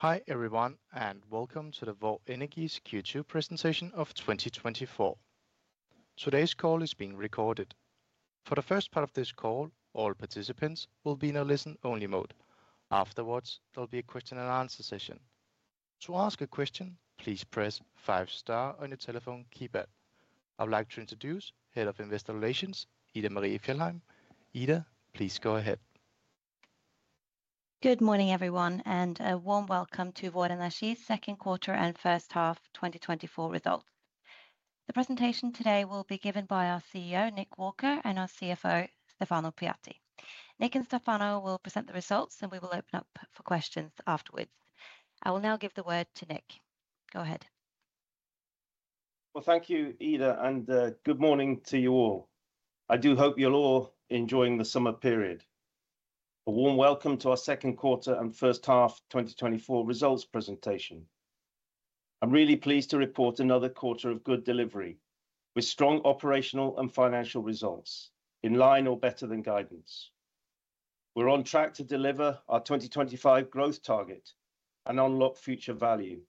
Hi, everyone, and welcome to the Vår Energi's Q2 presentation of 2024. Today's call is being recorded. For the first part of this call, all participants will be in a listen-only mode. Afterwards, there'll be a question and answer session. To ask a question, please press five star on your telephone keypad. I would like to introduce Head of Investor Relations, Ida Marie Fjellheim. Ida, please go ahead. Good morning, everyone, and a warm welcome to Vår Energi's second quarter and first half 2024 results. The presentation today will be given by our CEO, Nick Walker, and our CFO, Stefano Pujatti. Nick and Stefano will present the results, and we will open up for questions afterwards. I will now give the word to Nick. Go ahead. Well, thank you, Ida, and good morning to you all. I do hope you're all enjoying the summer period. A warm welcome to our second quarter and first half 2024 results presentation. I'm really pleased to report another quarter of good delivery, with strong operational and financial results in line or better than guidance. We're on track to deliver our 2025 growth target and unlock future value,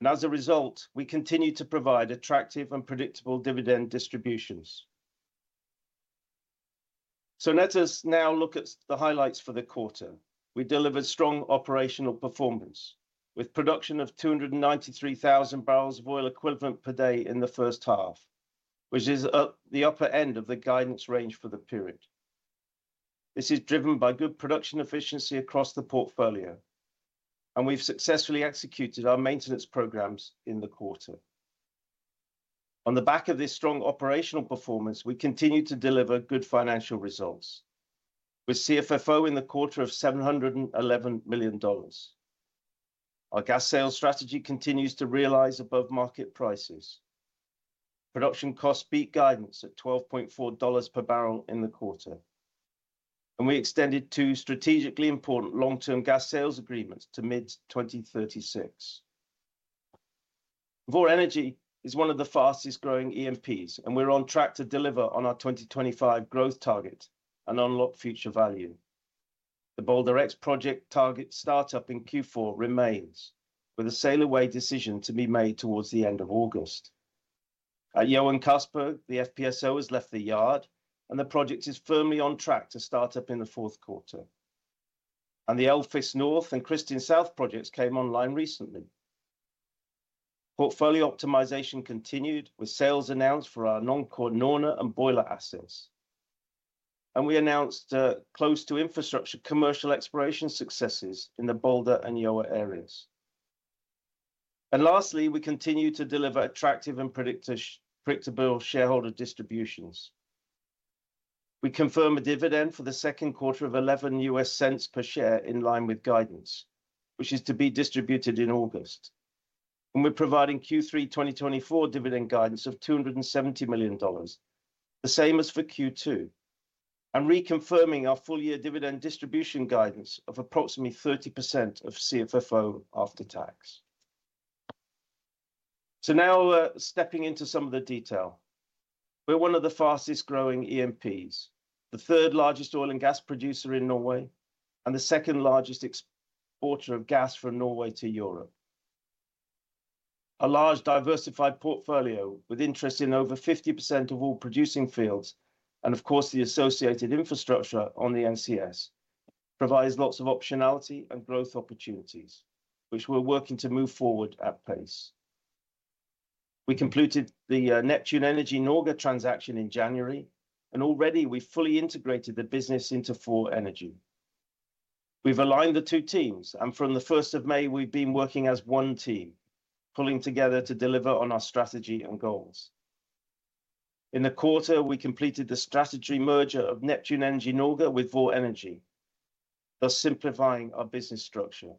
and as a result, we continue to provide attractive and predictable dividend distributions. So let us now look at the highlights for the quarter. We delivered strong operational performance, with production of 293,000 bbl of oil equivalent per day in the first half, which is up the upper end of the guidance range for the period. This is driven by good production efficiency across the portfolio, and we've successfully executed our maintenance programs in the quarter. On the back of this strong operational performance, we continued to deliver good financial results, with CFFO in the quarter of $711 million. Our gas sales strategy continues to realize above-market prices. Production costs beat guidance at $12.4 per bbl in the quarter, and we extended two strategically important long-term gas sales agreements to mid 2036. Vår Energi is one of the fastest-growing E&Ps, and we're on track to deliver on our 2025 growth target and unlock future value. The Balder X project target start-up in Q4 remains, with a sail away decision to be made towards the end of August. At Johan Castberg, the FPSO has left the yard, and the project is firmly on track to start up in the fourth quarter. The Alvheim North and Kristin South projects came online recently. Portfolio optimization continued, with sales announced for our non-core Norne and Balder assets. We announced close-to-infrastructure commercial exploration successes in the Balder and Johan areas. Lastly, we continue to deliver attractive and predictable shareholder distributions. We confirm a dividend for the second quarter of $0.11 per share in line with guidance, which is to be distributed in August. We're providing Q3 2024 dividend guidance of $270 million, the same as for Q2, and reconfirming our full-year dividend distribution guidance of approximately 30% of CFFO after tax. So now, stepping into some of the detail. We're one of the fastest-growing E&Ps, the third-largest oil and gas producer in Norway, and the second-largest exporter of gas from Norway to Europe. A large, diversified portfolio, with interest in over 50% of all producing fields, and of course, the associated infrastructure on the NCS, provides lots of optionality and growth opportunities, which we're working to move forward at pace. We concluded the Neptune Energy Norge transaction in January, and already we've fully integrated the business into Vår Energi. We've aligned the two teams, and from the first of May, we've been working as one team, pulling together to deliver on our strategy and goals. In the quarter, we completed the strategy merger of Neptune Energy Norge with Vår Energi, thus simplifying our business structure.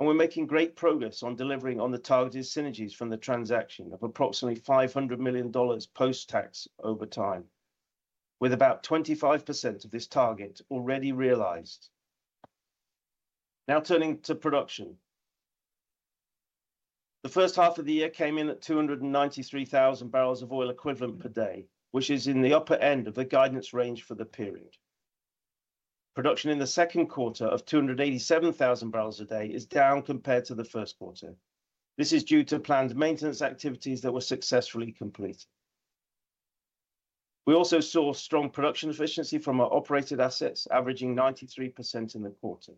We're making great progress on delivering on the targeted synergies from the transaction of approximately $500 million post-tax over time, with about 25% of this target already realized. Now turning to production. The first half of the year came in at 293,000 bbl of oil equivalent per day, which is in the upper end of the guidance range for the period. Production in the second quarter of 287,000 bbl a day is down compared to the first quarter. This is due to planned maintenance activities that were successfully completed. We also saw strong production efficiency from our operated assets, averaging 93% in the quarter.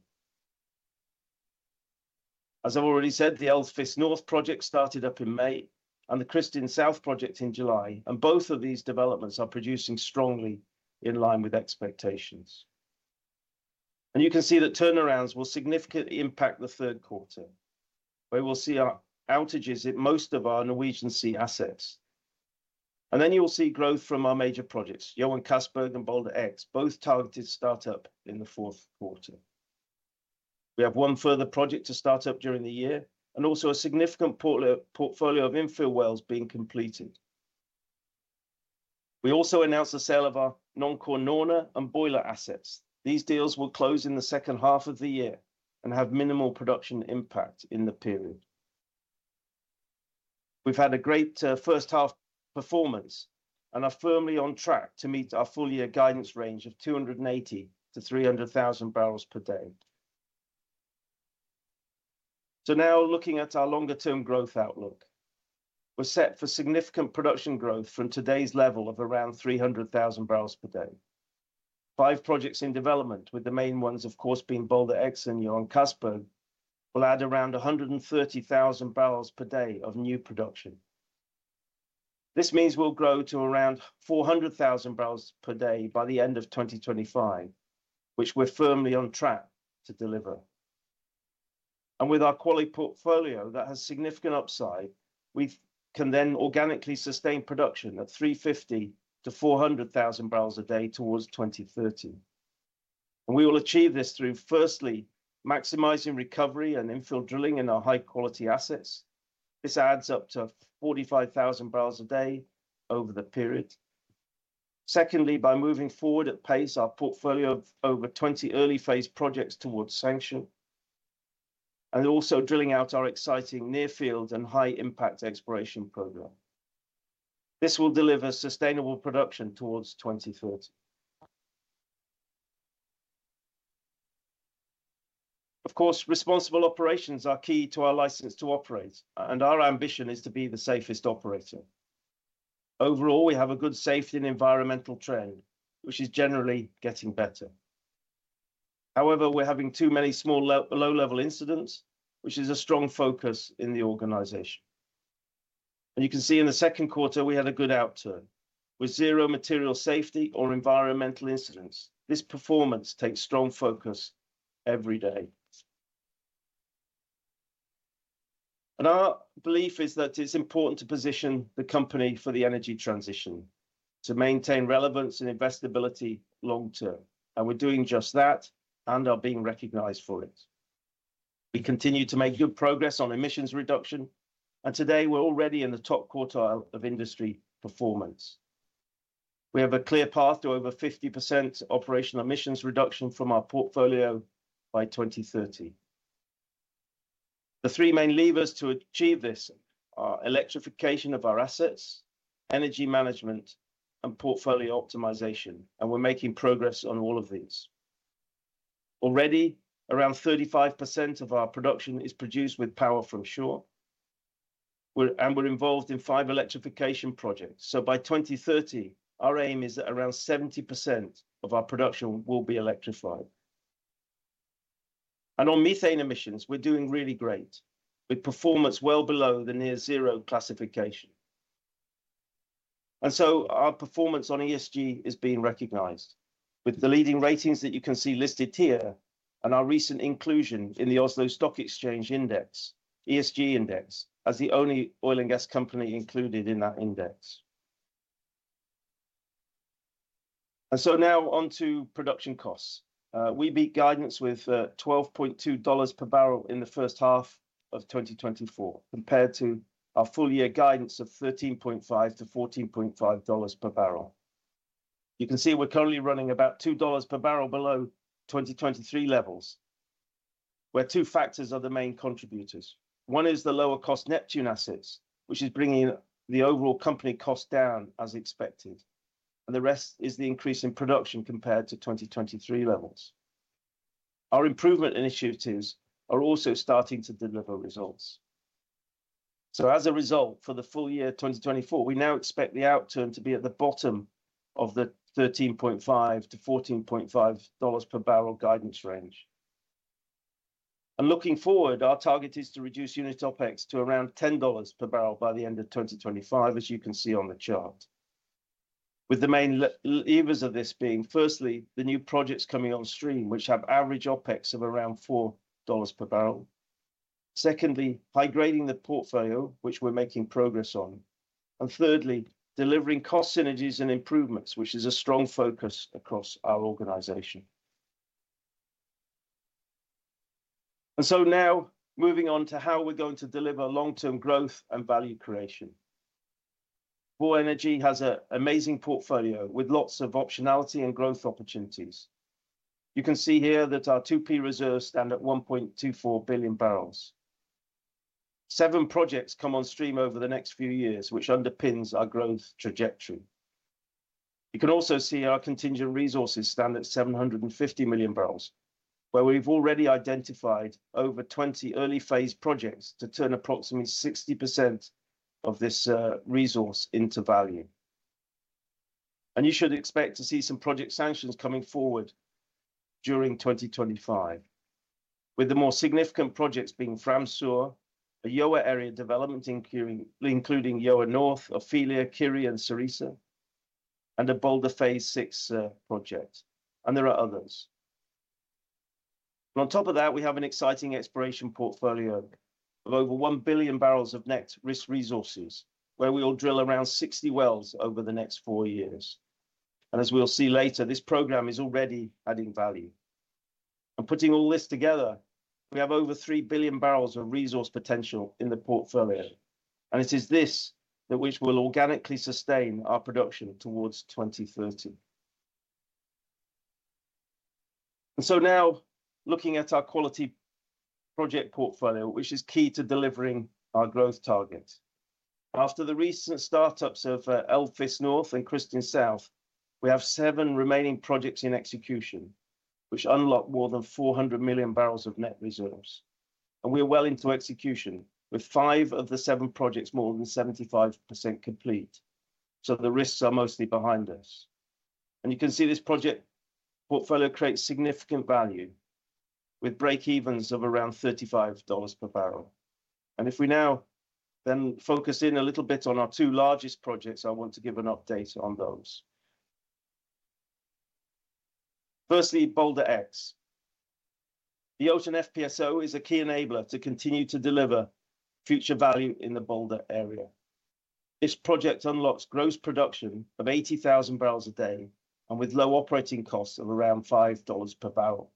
As I've already said, the Alvheim North project started up in May, and the Kristin South project in July, and both of these developments are producing strongly in line with expectations. You can see that turnarounds will significantly impact the third quarter, where we'll see outages at most of our Norwegian Sea assets. Then you will see growth from our major projects, Johan Castberg and Balder X, both targeted to start up in the fourth quarter. We have one further project to start up during the year, and also a significant portfolio of infill wells being completed. We also announced the sale of our non-core Norne and Balder assets. These deals will close in the second half of the year and have minimal production impact in the period. We've had a great first half performance, and are firmly on track to meet our full year guidance range of 280,000-300,000 bbl per day. So now, looking at our longer term growth outlook, we're set for significant production growth from today's level of around 300,000 bbls per day. Five projects in development, with the main ones, of course, being Balder X and Johan Castberg, will add around 130,000 bbl per day of new production. This means we'll grow to around 400,000 bbl per day by the end of 2025, which we're firmly on track to deliver. With our quality portfolio that has significant upside, we can then organically sustain production at 350-400,000 bbl a day towards 2030. We will achieve this through, firstly, maximizing recovery and infill drilling in our high quality assets. This adds up to 45,000 bbl a day over the period. Secondly, by moving forward at pace, our portfolio of over 20 early phase projects towards sanction, and also drilling out our exciting near field and high impact exploration program. This will deliver sustainable production towards 2030. Of course, responsible operations are key to our license to operate, and our ambition is to be the safest operator. Overall, we have a good safety and environmental trend, which is generally getting better. However, we're having too many small low-level incidents, which is a strong focus in the organization. You can see in the second quarter, we had a good outturn, with zero material safety or environmental incidents. This performance takes strong focus every day. Our belief is that it's important to position the company for the energy transition, to maintain relevance and investibility long-term, and we're doing just that, and are being recognized for it. We continue to make good progress on emissions reduction, and today we're already in the top quartile of industry performance. We have a clear path to over 50% operational emissions reduction from our portfolio by 2030. The three main levers to achieve this are electrification of our assets, energy management, and portfolio optimization, and we're making progress on all of these. Already, around 35% of our production is produced with power from shore. And we're involved in five electrification projects, so by 2030, our aim is that around 70% of our production will be electrified. And on methane emissions, we're doing really great, with performance well below the near zero classification. And so our performance on ESG is being recognized, with the leading ratings that you can see listed here, and our recent inclusion in the Oslo Stock Exchange Index, ESG Index, as the only oil and gas company included in that index. And so now, onto production costs. We beat guidance with $12.2 per bbl in the first half of 2024, compared to our full year guidance of $13.5-$14.5 per bbl. You can see we're currently running about two dollars per bbl below 2023 levels, where two factors are the main contributors. One is the lower cost Neptune assets, which is bringing the overall company cost down as expected, and the rest is the increase in production compared to 2023 levels. Our improvement initiatives are also starting to deliver results. So as a result, for the full year 2024, we now expect the outturn to be at the bottom of the $13.5-$14.5 per bbl guidance range. Looking forward, our target is to reduce unit OpEx to around $10 per bbl by the end of 2025, as you can see on the chart, with the main levers of this being, firstly, the new projects coming on stream, which have average OpEx of around $4 per bbl. Secondly, high-grading the portfolio, which we're making progress on, and thirdly, delivering cost synergies and improvements, which is a strong focus across our organization. So now, moving on to how we're going to deliver long-term growth and value creation. Vår Energi has an amazing portfolio, with lots of optionality and growth opportunities. You can see here that our 2P reserves stand at 1.24 billion bbl. Seven projects come on stream over the next few years, which underpins our growth trajectory. You can also see our contingent resources stand at 750 million bbl, where we've already identified over 20 early phase projects to turn approximately 60% of this resource into value. You should expect to see some project sanctions coming forward during 2025, with the more significant projects being Fram Sør, a Gjøa area development including Gjøa North, Ofelia, Kyrre, and Cerisa, and a Balder Phase VI project, and there are others. On top of that, we have an exciting exploration portfolio of over 1 billion bbls of net risk resources, where we will drill around 60 wells over the next four years. As we'll see later, this program is already adding value. Putting all this together, we have over 3 billion bbl of resource potential in the portfolio, and it is this that which will organically sustain our production towards 2030... So now, looking at our quality project portfolio, which is key to delivering our growth target. After the recent startups of Alvheim North and Kristin South, we have seven remaining projects in execution, which unlock more than 400 million bbl of net reserves. We are well into execution, with five of the seven projects more than 75% complete, so the risks are mostly behind us. You can see this project portfolio creates significant value, with breakevens of around $35 per bbl. If we now then focus in a little bit on our two largest projects, I want to give an update on those. Firstly, Balder X. The Jotun FPSO is a key enabler to continue to deliver future value in the Balder area. This project unlocks gross production of 80,000 bbl a day, and with low operating costs of around $5 per bbl.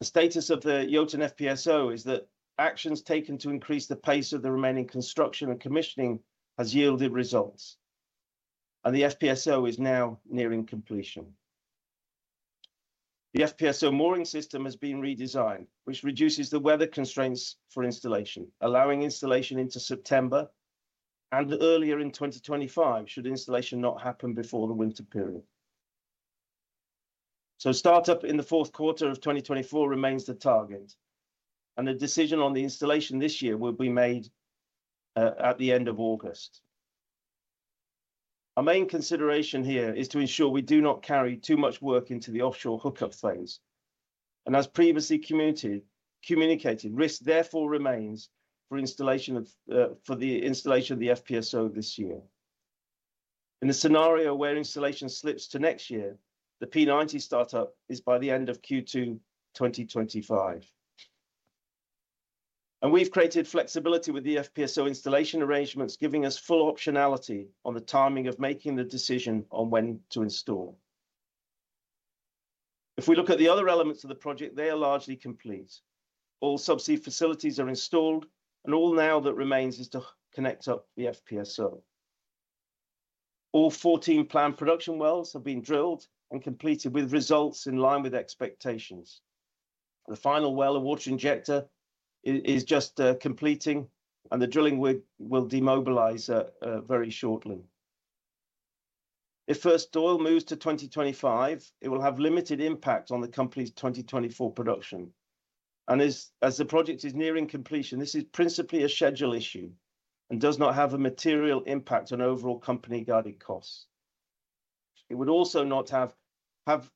The status of the Jotun FPSO is that actions taken to increase the pace of the remaining construction and commissioning has yielded results, and the FPSO is now nearing completion. The FPSO mooring system has been redesigned, which reduces the weather constraints for installation, allowing installation into September and earlier in 2025, should installation not happen before the winter period. So startup in the fourth quarter of 2024 remains the target, and a decision on the installation this year will be made at the end of August. Our main consideration here is to ensure we do not carry too much work into the offshore hookup phase, and as previously communicated, risk therefore remains for the installation of the FPSO this year. In the scenario where installation slips to next year, the P90 startup is by the end of Q2 2025. We've created flexibility with the FPSO installation arrangements, giving us full optionality on the timing of making the decision on when to install. If we look at the other elements of the project, they are largely complete. All subsea facilities are installed, and all that now remains is to connect up the FPSO. All 14 planned production wells have been drilled and completed, with results in line with expectations. The final well, a water injector, is just completing, and the drilling rig will demobilize very shortly. If first oil moves to 2025, it will have limited impact on the company's 2024 production, and as the project is nearing completion, this is principally a schedule issue and does not have a material impact on overall company guided costs. It would also not have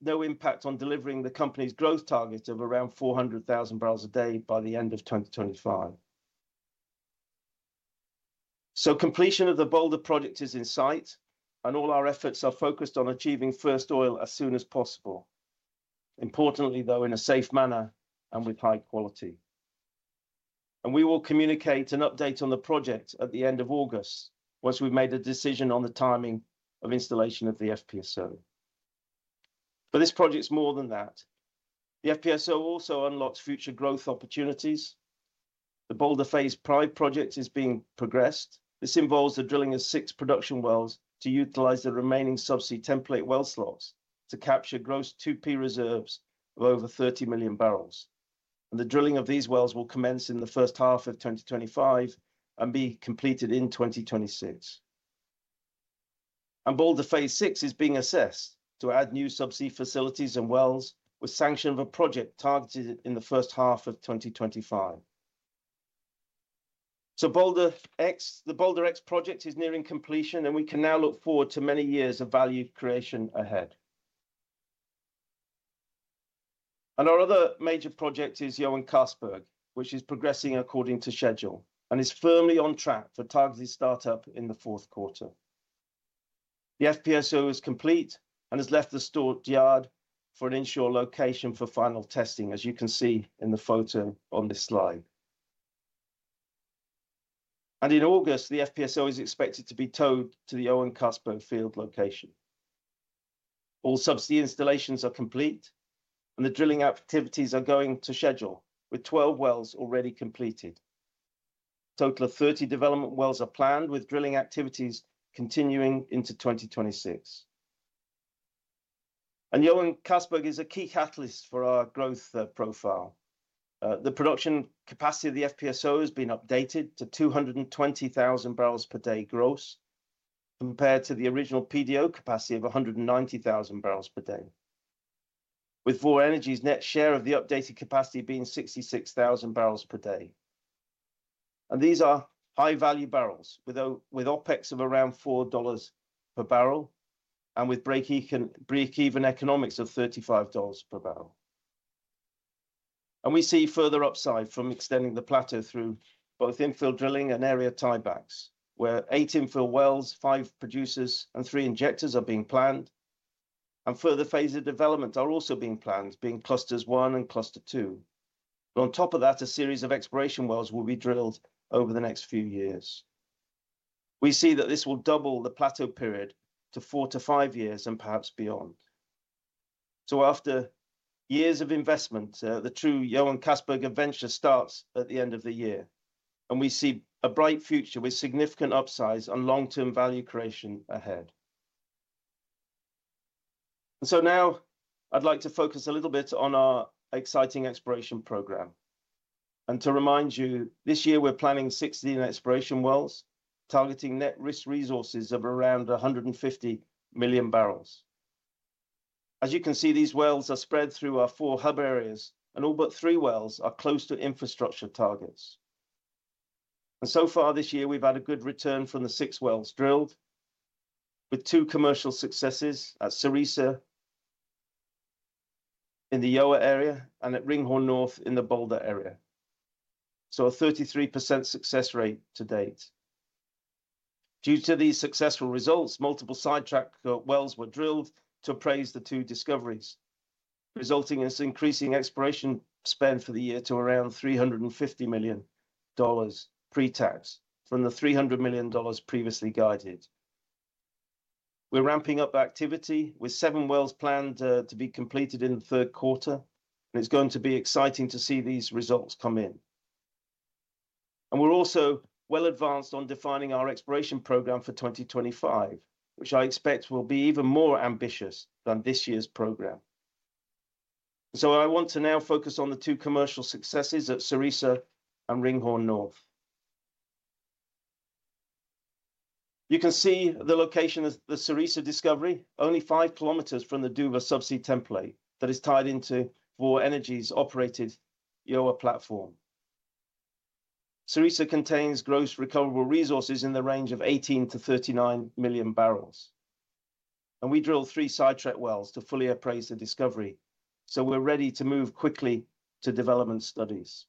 no impact on delivering the company's growth target of around 400,000 bbl a day by the end of 2025. So completion of the Balder project is in sight, and all our efforts are focused on achieving first oil as soon as possible, importantly, though, in a safe manner and with high quality. And we will communicate an update on the project at the end of August, once we've made a decision on the timing of installation of the FPSO. But this project's more than that. The FPSO also unlocks future growth opportunities. The Balder Phase V project is being progressed. This involves the drilling of six production wells to utilize the remaining subsea template well slots to capture gross 2P reserves of over 30 million bbl, and the drilling of these wells will commence in the first half of 2025 and be completed in 2026. Balder phase VI is being assessed to add new subsea facilities and wells, with sanction of a project targeted in the first half of 2025. Balder X, the Balder X project is nearing completion, and we can now look forward to many years of value creation ahead. Our other major project is Johan Castberg, which is progressing according to schedule and is firmly on track for targeted startup in the fourth quarter. The FPSO is complete and has left the Stord yard for an inshore location for final testing, as you can see in the photo on this slide. In August, the FPSO is expected to be towed to the Johan Castberg field location. All subsea installations are complete, and the drilling activities are going to schedule, with 12 wells already completed. A total of 30 development wells are planned, with drilling activities continuing into 2026. Johan Castberg is a key catalyst for our growth profile. The production capacity of the FPSO has been updated to 220,000 bbl per day gross, compared to the original PDO capacity of 190,000 bbl per day, with Vår Energi's net share of the updated capacity being 66,000 bbl per day. These are high-value bbl, with OpEx of around $4 per bbl and with breakeven economics of $35 per bbl. And we see further upside from extending the plateau through both infill drilling and area tiebacks, where 8 infill wells, 5 producers, and 3 injectors are being planned. And further phases of development are also being planned, being Clusters One and Cluster Two. But on top of that, a series of exploration wells will be drilled over the next few years. We see that this will double the plateau period to 4-5 years, and perhaps beyond. So after years of investment, the true Johan Castberg adventure starts at the end of the year, and we see a bright future with significant upsides and long-term value creation ahead. And so now I'd like to focus a little bit on our exciting exploration program. And to remind you, this year we're planning 16 exploration wells, targeting net risk resources of around 150 million bbl.As you can see, these wells are spread through our four hub areas, and all but 3 wells are close to infrastructure targets. So far this year, we've had a good return from the 6 wells drilled, with 2 commercial successes at Cerisa, in the Gjøa area, and at Ringhorne North in the Balder area. So a 33% success rate to date. Due to these successful results, multiple sidetrack wells were drilled to appraise the 2 discoveries, resulting in us increasing exploration spend for the year to around $350 million pre-tax, from the $300 million previously guided. We're ramping up activity, with 7 wells planned to be completed in the third quarter, and it's going to be exciting to see these results come in. We're also well advanced on defining our exploration program for 2025, which I expect will be even more ambitious than this year's program. I want to now focus on the two commercial successes at Cerisa and Ringhorne North. You can see the location of the Cerisa discovery, only 5 kilometers from the Duva subsea template that is tied into Vår Energi-operated Gjøa platform. Cerisa contains gross recoverable resources in the range of 18-39 million bbl, and we drill 3 sidetrack wells to fully appraise the discovery, so we're ready to move quickly to development studies.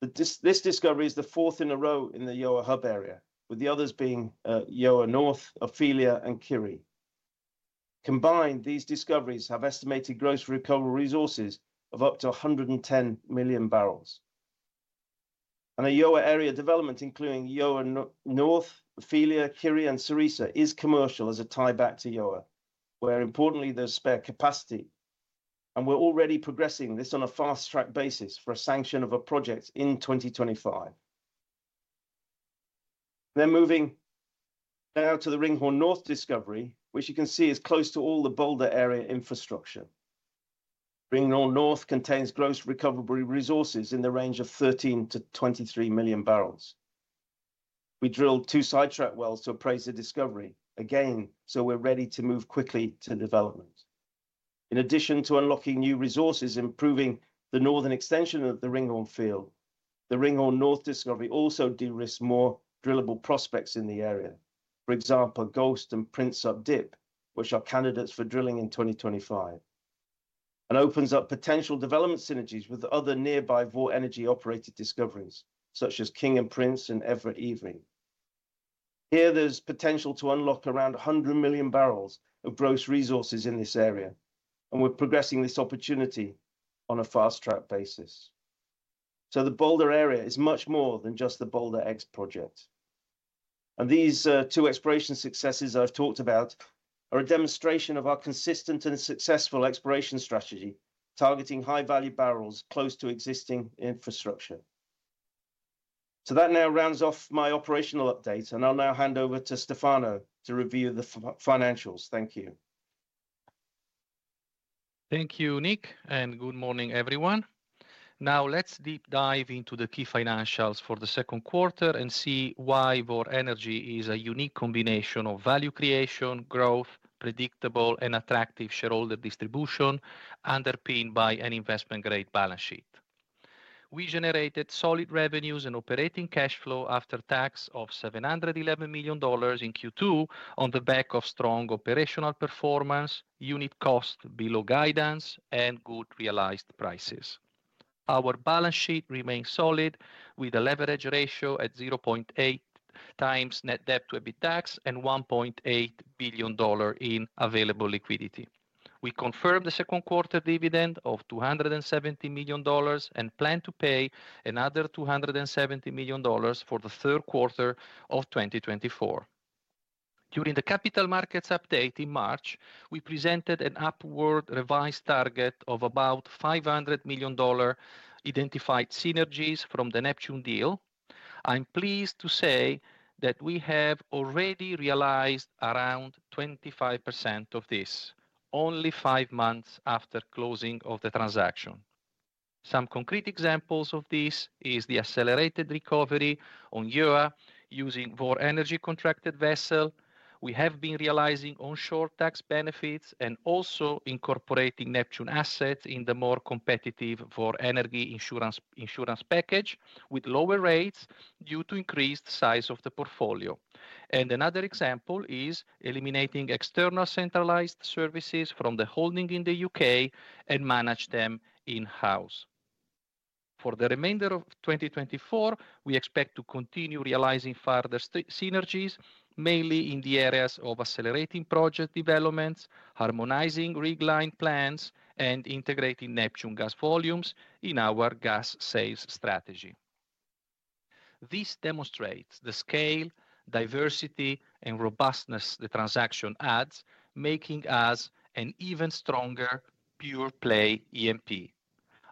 This discovery is the fourth in a row in the Gjøa Hub area, with the others being Gjøa North, Ofelia, and Kyrre. Combined, these discoveries have estimated gross recovery resources of up to 110 million bbl. And the Gjøa area development, including Gjøa North, Ofelia, Kyrre, and Cerisa, is commercial as a tieback to Gjøa, where importantly, there's spare capacity, and we're already progressing this on a fast-track basis for a sanction of a project in 2025. Then moving now to the Ringhorne North discovery, which you can see is close to all the Balder area infrastructure. Ringhorne North contains gross recoverable resources in the range of 13-23 million bbl. We drilled two sidetrack wells to appraise the discovery, again, so we're ready to move quickly to development. In addition to unlocking new resources, improving the northern extension of the Ringhorne field, the Ringhorne North discovery also de-risks more drillable prospects in the area. For example, Ghost and Prince Updip, which are candidates for drilling in 2025, and opens up potential development synergies with other nearby Vår Energi-operated discoveries, such as King and Prince and Evra and Iving. Here, there's potential to unlock around 100 million bbl of gross resources in this area, and we're progressing this opportunity on a fast-track basis. So the Balder area is much more than just the Balder X project. And these two exploration successes I've talked about are a demonstration of our consistent and successful exploration strategy, targeting high-value bbls close to existing infrastructure. So that now rounds off my operational update, and I'll now hand over to Stefano to review the financials. Thank you. Thank you, Nick, and good morning, everyone. Now let's deep dive into the key financials for the second quarter and see why Vår Energi is a unique combination of value creation, growth, predictable, and attractive shareholder distribution, underpinned by an investment-grade balance sheet. We generated solid revenues and operating cash flow after tax of $711 million in Q2 on the back of strong operational performance, unit cost below guidance, and good realized prices. Our balance sheet remains solid, with a leverage ratio at 0.8x net debt to EBITDAX and $1.8 billion in available liquidity. We confirmed the second quarter dividend of $270 million, and plan to pay another $270 million for the third quarter of 2024. During the capital markets update in March, we presented an upward revised target of about $500 million identified synergies from the Neptune deal. I'm pleased to say that we have already realized around 25% of this, only five months after closing of the transaction. Some concrete examples of this is the accelerated recovery on Gjøa using Vår Energi contracted vessel. We have been realizing onshore tax benefits and also incorporating Neptune assets in the more competitive Vår Energi insurance package, with lower rates due to increased size of the portfolio. Another example is eliminating external centralized services from the holding in the U.K. and manage them in-house. For the remainder of 2024, we expect to continue realizing further synergies, mainly in the areas of accelerating project developments, harmonizing rig line plans, and integrating Neptune gas volumes in our gas sales strategy. This demonstrates the scale, diversity, and robustness the transaction adds, making us an even stronger pure-play E&P.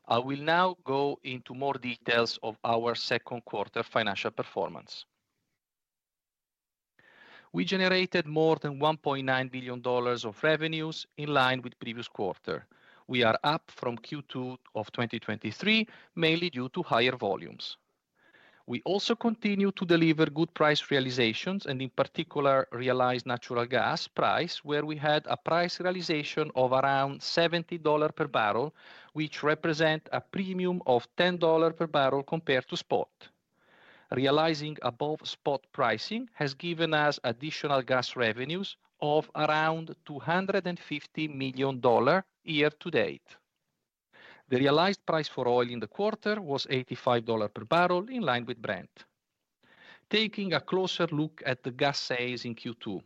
I will now go into more details of our second quarter financial performance. We generated more than $1.9 billion of revenues, in line with previous quarter. We are up from Q2 of 2023, mainly due to higher volumes. We also continue to deliver good price realizations, and in particular, realized natural gas price, where we had a price realization of around $70 per bbl, which represent a premium of $10 per bbl compared to spot. Realizing above spot pricing has given us additional gas revenues of around $250 million year to date. The realized price for oil in the quarter was $85 per bbl, in line with Brent. Taking a closer look at the gas sales in Q2,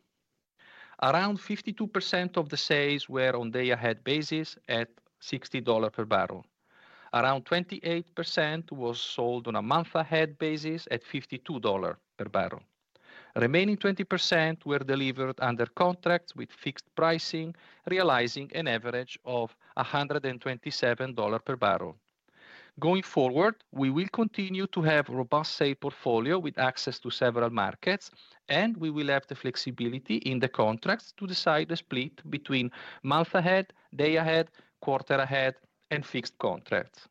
around 52% of the sales were on day-ahead basis at $60 per bbl. Around 28% was sold on a month-ahead basis at $52 per bbl. Remaining 20% were delivered under contracts with fixed pricing, realizing an average of $127 per bbl. Going forward, we will continue to have robust sale portfolio with access to several markets, and we will have the flexibility in the contracts to decide the split between month ahead, day ahead, quarter ahead, and fixed contracts.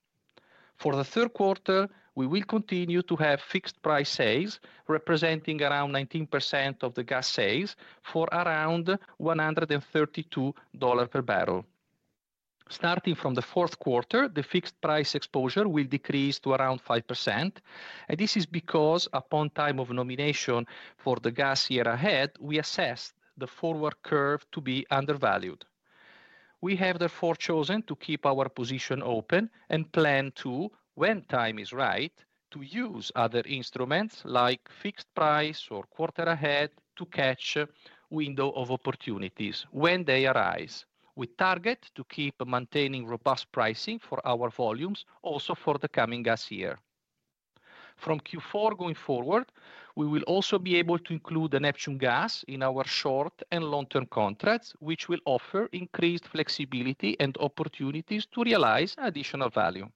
For the third quarter, we will continue to have fixed price sales, representing around 19% of the gas sales for around $132 per bbl. Starting from the fourth quarter, the fixed price exposure will decrease to around 5%, and this is because upon time of nomination for the gas year ahead, we assessed the forward curve to be undervalued. We have therefore chosen to keep our position open and plan to, when time is right, to use other instruments, like fixed price or quarter ahead, to catch window of opportunities when they arise. We target to keep maintaining robust pricing for our volumes, also for the coming gas year. From Q4 going forward, we will also be able to include the Neptune gas in our short- and long-term contracts, which will offer increased flexibility and opportunities to realize additional value.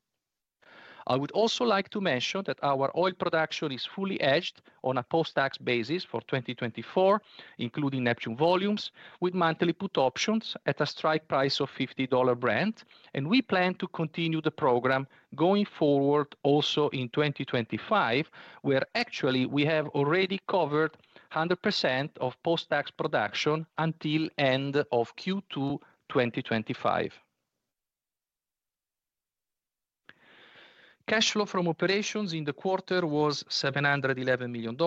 I would also like to mention that our oil production is fully hedged on a post-tax basis for 2024, including Neptune volumes, with monthly put options at a strike price of $50 Brent, and we plan to continue the program going forward also in 2025, where actually we have already covered 100% of post-tax production until end of Q2 2025. Cash flow from operations in the quarter was $711 million,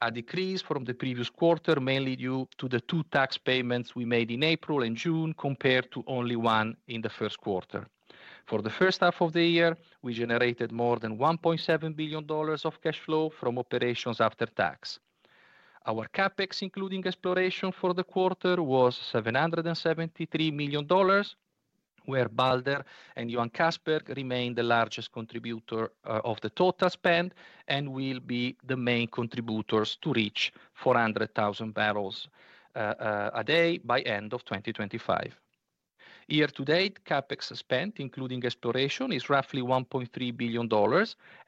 a decrease from the previous quarter, mainly due to the two tax payments we made in April and June, compared to only one in the first quarter. For the first half of the year, we generated more than $1.7 billion of cash flow from operations after tax. Our CapEx, including exploration for the quarter, was $773 million, where Balder and Johan Castberg remained the largest contributor of the total spend and will be the main contributors to reach 400,000 bbl a day by end of 2025. Year to date, CapEx spend, including exploration, is roughly $1.3 billion,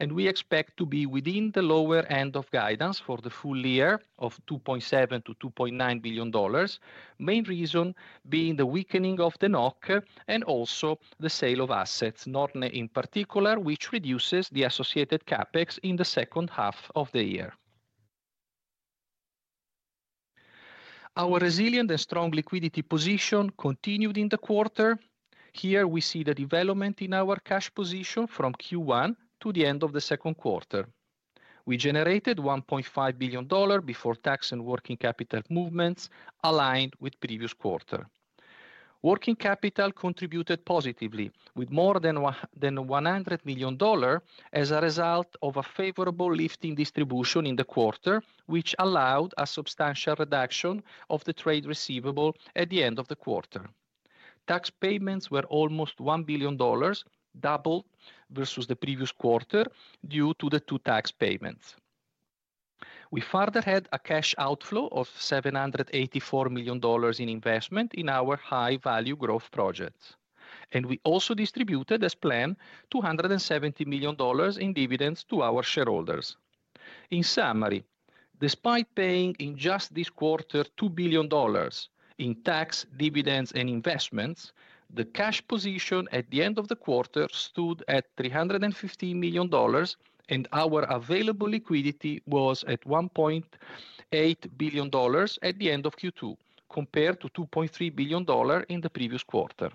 and we expect to be within the lower end of guidance for the full year of $2.7 billion-$2.9 billion. Main reason being the weakening of the NOK and also the sale of assets, Norne in particular, which reduces the associated CapEx in the second half of the year. Our resilient and strong liquidity position continued in the quarter. Here, we see the development in our cash position from Q1 to the end of the second quarter. We generated $1.5 billion before tax and working capital movements, aligned with previous quarter. Working capital contributed positively, with more than $100 million as a result of a favorable lifting distribution in the quarter, which allowed a substantial reduction of the trade receivable at the end of the quarter. Tax payments were almost $1 billion, double versus the previous quarter, due to the two tax payments. We further had a cash outflow of $784 million in investment in our high-value growth projects, and we also distributed, as planned, $270 million in dividends to our shareholders. In summary, despite paying in just this quarter $2 billion in tax, dividends, and investments, the cash position at the end of the quarter stood at $350 million, and our available liquidity was at $1.8 billion at the end of Q2, compared to $2.3 billion in the previous quarter.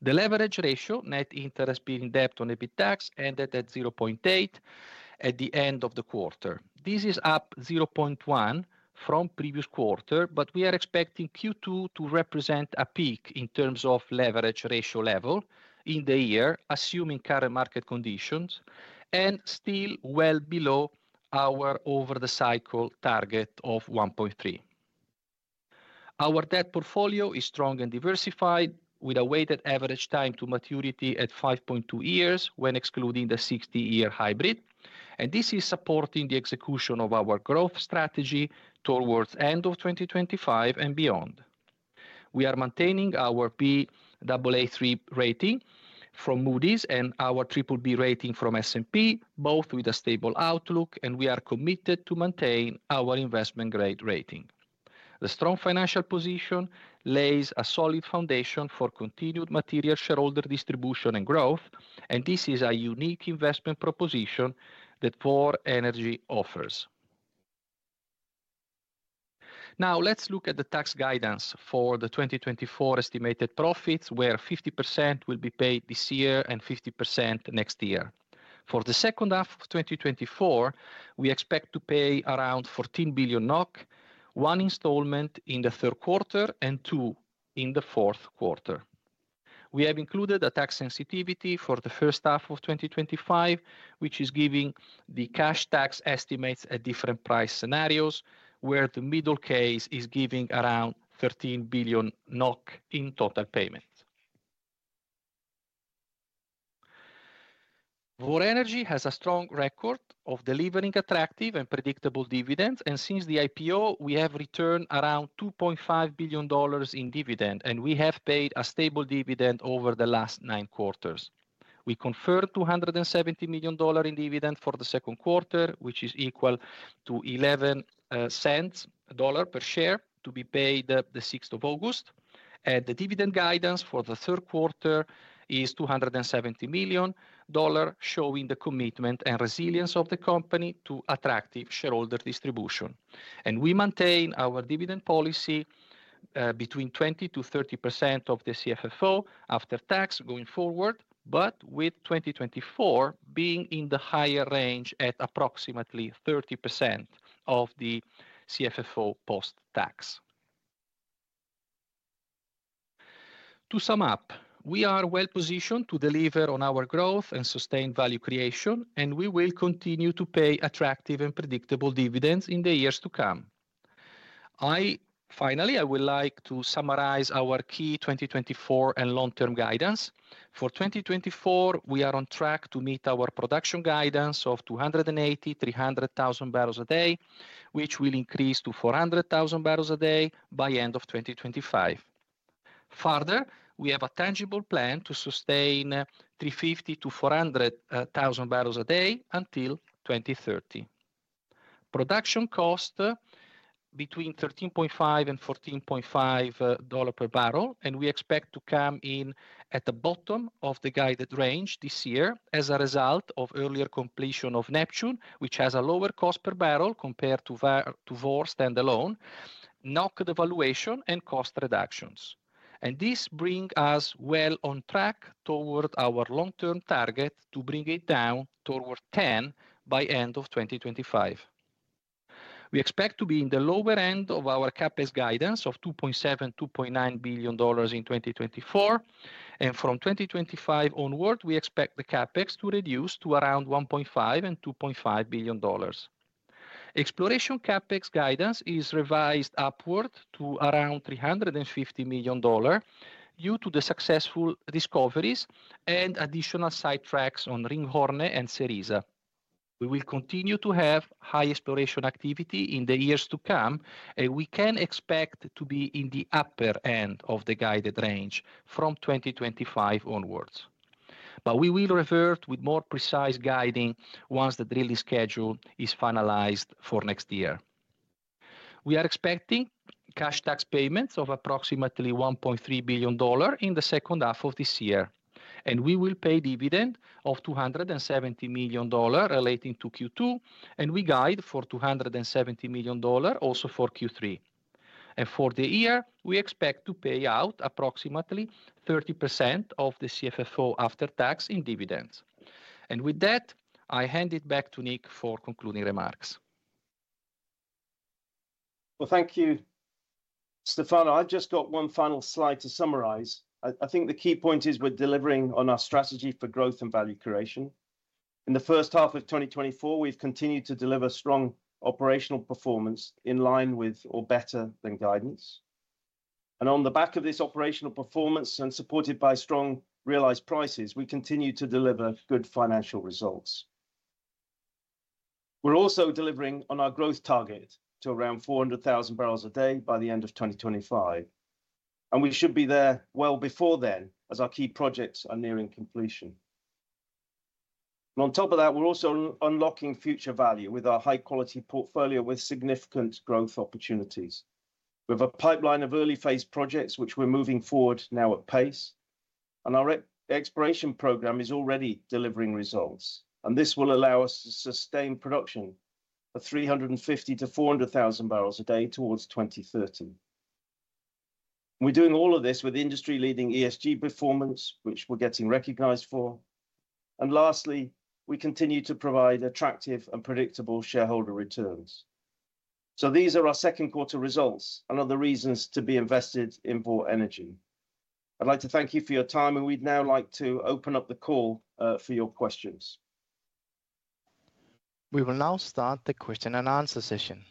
The leverage ratio, net interest-bearing debt to EBITDA, ended at 0.8 at the end of the quarter. This is up 0.1 from previous quarter, but we are expecting Q2 to represent a peak in terms of leverage ratio level in the year, assuming current market conditions, and still well below our over-the-cycle target of 1.3. Our debt portfolio is strong and diversified, with a weighted average time to maturity at 5.2 years when excluding the 60-year hybrid, and this is supporting the execution of our growth strategy towards end of 2025 and beyond. We are maintaining our Baa3 rating from Moody’s and our BBB rating from S&P, both with a stable outlook, and we are committed to maintain our investment grade rating. The strong financial position lays a solid foundation for continued material shareholder distribution and growth, and this is a unique investment proposition that Vår Energi offers. Now, let's look at the tax guidance for the 2024 estimated profits, where 50% will be paid this year and 50% next year. For the second half of 2024, we expect to pay around 14 billion NOK, one installment in the third quarter, and two in the fourth quarter. We have included a tax sensitivity for the first half of 2025, which is giving the cash tax estimates at different price scenarios, where the middle case is giving around 13 billion NOK in total payments. Vår Energi has a strong record of delivering attractive and predictable dividends, and since the IPO, we have returned around $2.5 billion in dividend, and we have paid a stable dividend over the last nine quarters. We confirmed $270 million in dividend for the second quarter, which is equal to $0.11 cents per share, to be paid the 6 of August. The dividend guidance for the third quarter is $270 million, showing the commitment and resilience of the company to attractive shareholder distribution. We maintain our dividend policy between 20%-30% of the CFFO after tax going forward, but with 2024 being in the higher range at approximately 30% of the CFFO post-tax. To sum up, we are well positioned to deliver on our growth and sustained value creation, and we will continue to pay attractive and predictable dividends in the years to come. Finally, I would like to summarize our key 2024 and long-term guidance. For 2024, we are on track to meet our production guidance of 280,000-300,000 bbl a day, which will increase to 400,000 bbl a day by end of 2025. Further, we have a tangible plan to sustain 350,000-400,000 bbls a day until 2030. Production cost between $13.5 and $14.5 per bbl, and we expect to come in at the bottom of the guided range this year as a result of earlier completion of Neptune, which has a lower cost per bbl compared to Vår standalone, NOK devaluation, and cost reductions. This bring us well on track toward our long-term target to bring it down toward 10 by end of 2025. We expect to be in the lower end of our CapEx guidance of $2.7 billion-$2.9 billion in 2024, and from 2025 onward, we expect the CapEx to reduce to around $1.5 billion-$2.5 billion. Exploration CapEx guidance is revised upward to around $350 million, due to the successful discoveries and additional sidetracks on Ringhorne and Cerisa. We will continue to have high exploration activity in the years to come, and we can expect to be in the upper end of the guided range from 2025 onwards. But we will revert with more precise guiding once the drilling schedule is finalized for next year. We are expecting cash tax payments of approximately $1.3 billion in the second half of this year, and we will pay dividend of $270 million relating to Q2, and we guide for $270 million also for Q3. For the year, we expect to pay out approximately 30% of the CFFO after tax in dividends. With that, I hand it back to Nick for concluding remarks. Well, thank you, Stefano. I've just got one final slide to summarize. I, I think the key point is we're delivering on our strategy for growth and value creation. In the first half of 2024, we've continued to deliver strong operational performance in line with or better than guidance. And on the back of this operational performance, and supported by strong realized prices, we continue to deliver good financial results. We're also delivering on our growth target to around 400,000 bbl a day by the end of 2025, and we should be there well before then, as our key projects are nearing completion. And on top of that, we're also unlocking future value with our high-quality portfolio, with significant growth opportunities. We have a pipeline of early-phase projects which we're moving forward now at pace, and our exploration program is already delivering results, and this will allow us to sustain production of 350,000-400,000 bbl a day toward 2030. We're doing all of this with industry-leading ESG performance, which we're getting recognized for. And lastly, we continue to provide attractive and predictable shareholder returns. So these are our second quarter results and other reasons to be invested in Vår Energi. I'd like to thank you for your time, and we'd now like to open up the call for your questions.... We will now start the question and answer session.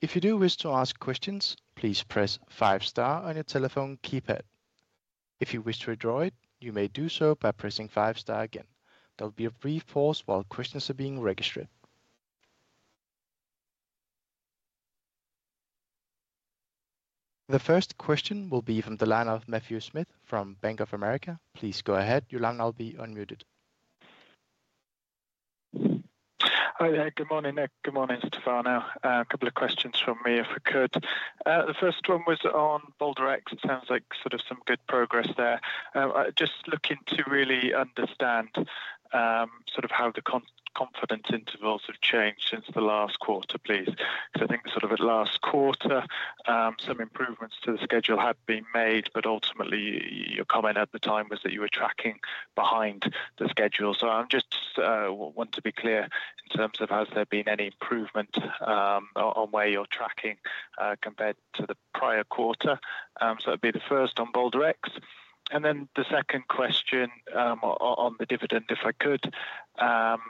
If you do wish to ask questions, please press five star on your telephone keypad. If you wish to withdraw it, you may do so by pressing five star again. There'll be a brief pause while questions are being registered. The first question will be from the line of Matthew Smith from Bank of America. Please go ahead. Your line now will be unmuted. Hi there. Good morning, Nick. Good morning, Stefano. A couple of questions from me, if I could. The first one was on Balder X. It sounds like sort of some good progress there. Just looking to really understand, sort of how the confidence intervals have changed since the last quarter, please. 'Cause I think sort of at last quarter, some improvements to the schedule had been made, but ultimately, your comment at the time was that you were tracking behind the schedule. So I'm just want to be clear in terms of, has there been any improvement, on where you're tracking, compared to the prior quarter? So it'd be the first on Balder X, and then the second question, on the dividend, if I could. And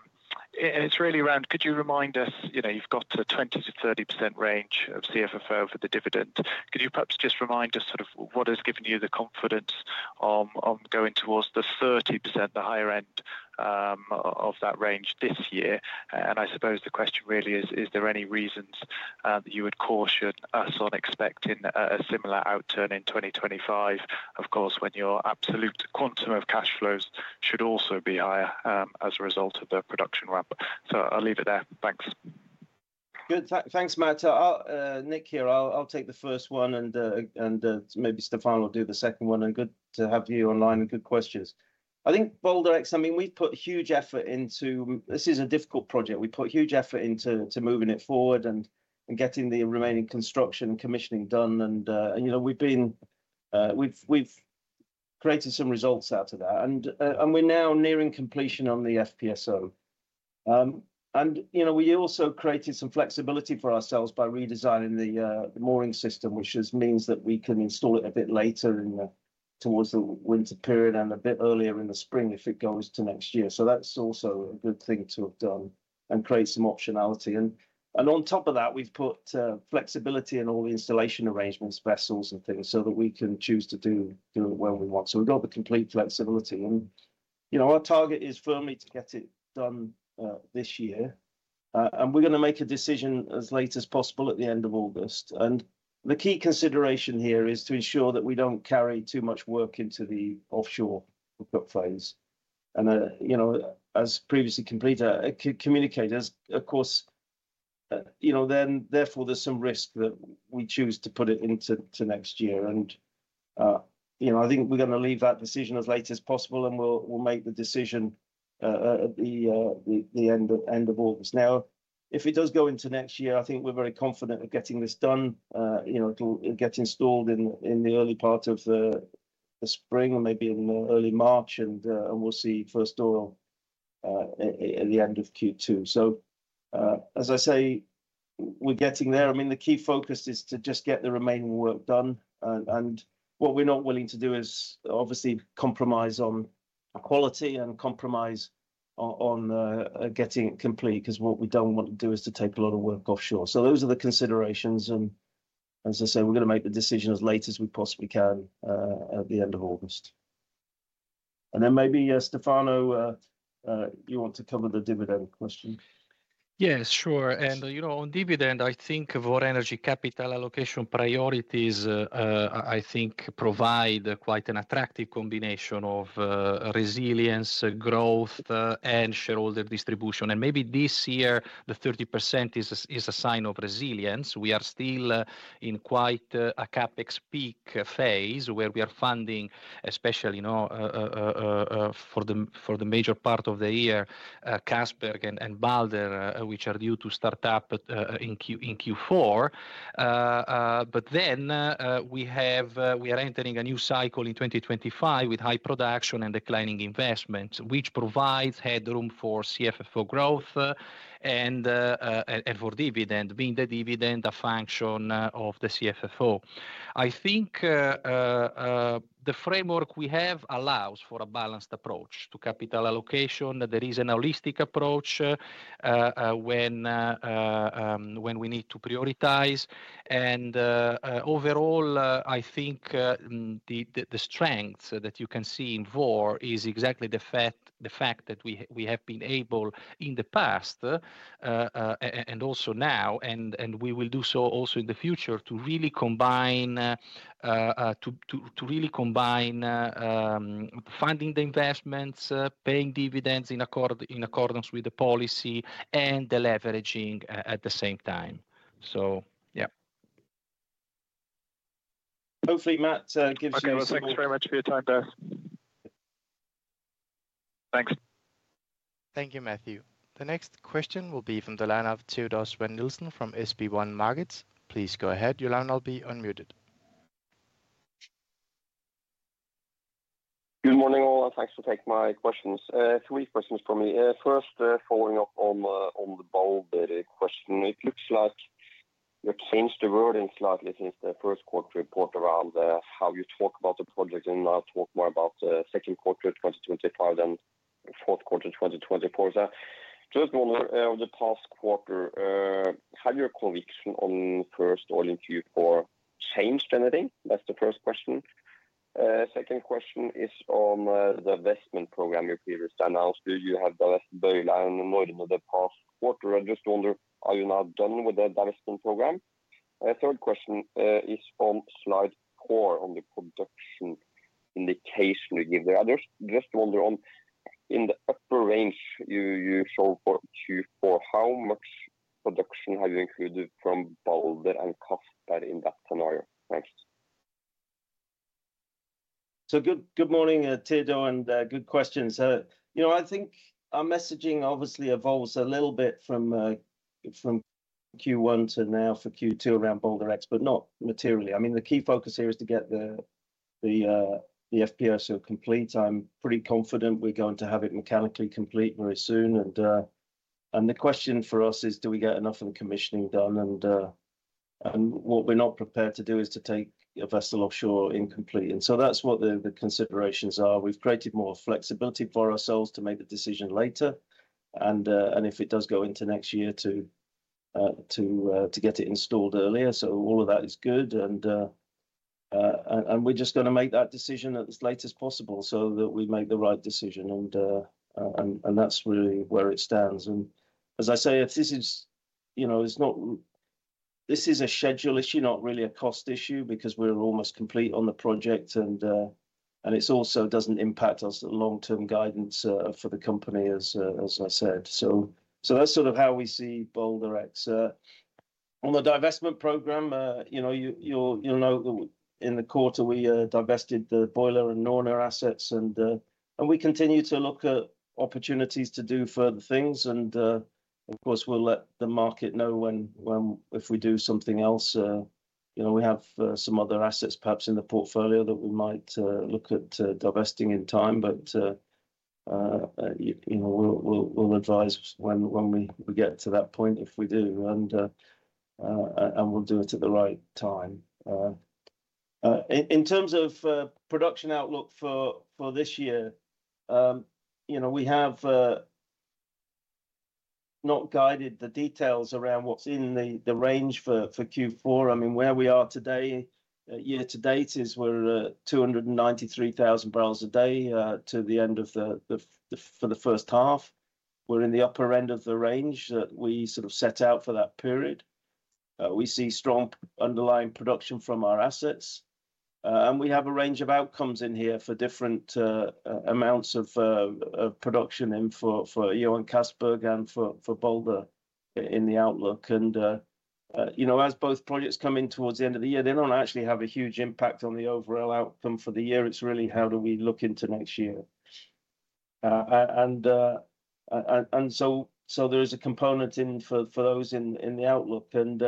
it's really around... Could you remind us, you know, you've got a 20%-30% range of CFFO for the dividend. Could you perhaps just remind us sort of what has given you the confidence on, on going towards the 30%, the higher end, of that range this year? And I suppose the question really is, is there any reasons that you would caution us on expecting a similar outturn in 2025? Of course, when your absolute quantum of cash flows should also be higher, as a result of the production ramp. So I'll leave it there. Thanks. Good. Thanks, Matt. I'm Nick here. I'll take the first one, and maybe Stefano will do the second one. And good to have you online, and good questions. I think Balder X, I mean, we've put huge effort into... This is a difficult project. We've put huge effort into moving it forward and getting the remaining construction and commissioning done. And, you know, we've been... We've created some results out of that, and we're now nearing completion on the FPSO. And, you know, we also created some flexibility for ourselves by redesigning the mooring system, which just means that we can install it a bit later towards the winter period and a bit earlier in the spring if it goes to next year. So that's also a good thing to have done and create some optionality. And on top of that, we've put flexibility in all the installation arrangements, vessels, and things, so that we can choose to do it when we want. So we've got the complete flexibility. And, you know, our target is firmly to get it done this year. And we're gonna make a decision as late as possible at the end of August. And the key consideration here is to ensure that we don't carry too much work into the offshore hookup phase. And, you know, as previously completed, communicated, of course, you know, then therefore, there's some risk that we choose to put it into next year. You know, I think we're gonna leave that decision as late as possible, and we'll make the decision at the end of August. Now, if it does go into next year, I think we're very confident of getting this done. You know, it'll get installed in the early part of the spring or maybe in early March, and we'll see first oil at the end of Q2. So, as I say, we're getting there. I mean, the key focus is to just get the remaining work done. And what we're not willing to do is, obviously, compromise on quality and compromise on getting it complete, 'cause what we don't want to do is to take a lot of work offshore. So those are the considerations, and as I say, we're gonna make the decision as late as we possibly can, at the end of August. And then maybe, Stefano, you want to cover the dividend question? Yes, sure. And, you know, on dividend, I think our energy capital allocation priorities, I think provide quite an attractive combination of resilience, growth, and shareholder distribution. And maybe this year, the 30% is a sign of resilience. We are still in quite a CapEx peak phase, where we are funding, especially, you know, for the major part of the year, Johan Castberg and Balder, which are due to start up in Q4. But then, we have... We are entering a new cycle in 2025 with high production and declining investments, which provides headroom for CFFO growth, and for dividend, being the dividend a function of the CFFO. I think, the framework we have allows for a balanced approach to capital allocation, that there is an holistic approach, when we need to prioritize. And, overall, I think, the strength so that you can see in Vår is exactly the fact, the fact that we, we have been able in the past, and also now, and we will do so also in the future, to really combine, to really combine, funding the investments, paying dividends in accordance with the policy, and deleveraging at the same time. So yeah. Hopefully, Matt, gives you some- Thank you very much for your time there. Thanks. Thank you, Matthew. The next question will be from the line of Teodor Sveen-Nilsen from SB1 Markets. Please go ahead. Your line will now be unmuted. Good morning, all, and thanks to take my questions. Three questions from me. First, following up on, on the Balder question. It looks like-... You changed the wording slightly since the first quarter report around, how you talk about the project, and now talk more about, second quarter 2025 than fourth quarter 2024. Just wonder, the past quarter, have your conviction on first oil in Q4 changed anything? That's the first question. Second question is on, the investment program you previously announced. Do you have the line in the morning of the past quarter? I just wonder, are you now done with the divestment program? Third question, is on slide four, on the production indication you give the others. Just wonder on, in the upper range, you, you show for Q4, how much production have you included from Balder and Johan Castberg in that scenario? Thanks. So, good morning, Theodor, and good questions. You know, I think our messaging obviously evolves a little bit from Q1 to now for Q2 around Balder X, but not materially. I mean, the key focus here is to get the FPSO complete. I'm pretty confident we're going to have it mechanically complete very soon, and the question for us is: Do we get enough in commissioning done? And what we're not prepared to do is to take a vessel offshore incomplete, and so that's what the considerations are. We've created more flexibility for ourselves to make the decision later, and if it does go into next year, to get it installed earlier. So all of that is good, and we're just gonna make that decision as late as possible so that we make the right decision, and that's really where it stands. And as I say, if this is, you know, it's not... This is a schedule issue, not really a cost issue, because we're almost complete on the project, and it's also doesn't impact us the long-term guidance for the company, as I said. So that's sort of how we see Balder X. On the divestment program, you know, you'll know that in the quarter we divested the Balder and Norne assets and we continue to look at opportunities to do further things, and of course, we'll let the market know when, if we do something else. You know, we have some other assets perhaps in the portfolio that we might look at divesting in time, but you know, we'll advise when we get to that point if we do, and we'll do it at the right time. In terms of production outlook for this year, you know, we have not guided the details around what's in the range for Q4. I mean, where we are today, year to date, is we're at 293,000 bbl a day to the end of the first half. We're in the upper end of the range that we sort of set out for that period. We see strong underlying production from our assets, and we have a range of outcomes in here for different amounts of production in for Johan Castberg and for Balder in the outlook. And, you know, as both projects come in towards the end of the year, they don't actually have a huge impact on the overall outcome for the year. It's really how do we look into next year. And so there is a component in for those in the outlook, and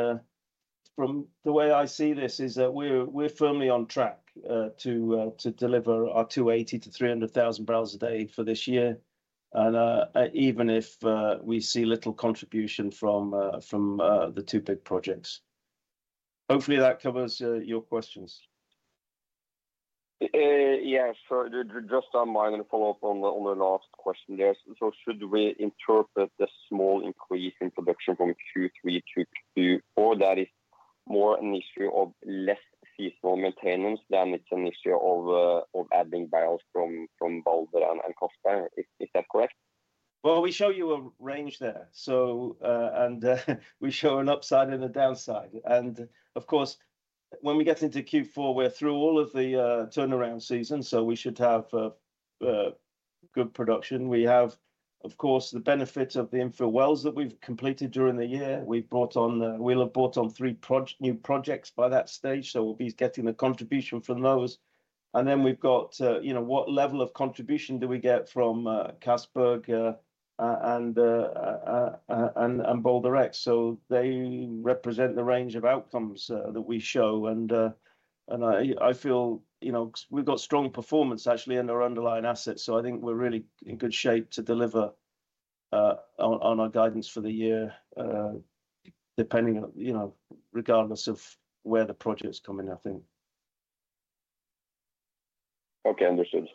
from the way I see this is that we're firmly on track to deliver our 280,000-300,000 bbl a day for this year, and even if we see little contribution from the two big projects. Hopefully, that covers your questions. Yes. So just on my end and follow up on the last question there. So should we interpret the small increase in production from Q3 to Q4, that is more an issue of less seasonal maintenance than it's an issue of adding bbl from Balder and Castberg, is that correct? Well, we show you a range there, so, and, we show an upside and a downside. And of course, when we get into Q4, we're through all of the, turnaround season, so we should have, good production. We have, of course, the benefit of the infill wells that we've completed during the year. We've brought on, we'll have brought on three new projects by that stage, so we'll be getting the contribution from those. And then we've got, you know, what level of contribution do we get from, Castberg, and Balder X? So they represent the range of outcomes that we show, and I feel, you know, we've got strong performance actually in our underlying assets, so I think we're really in good shape to deliver on our guidance for the year, depending on, you know, regardless of where the projects come in, I think. Okay, understood.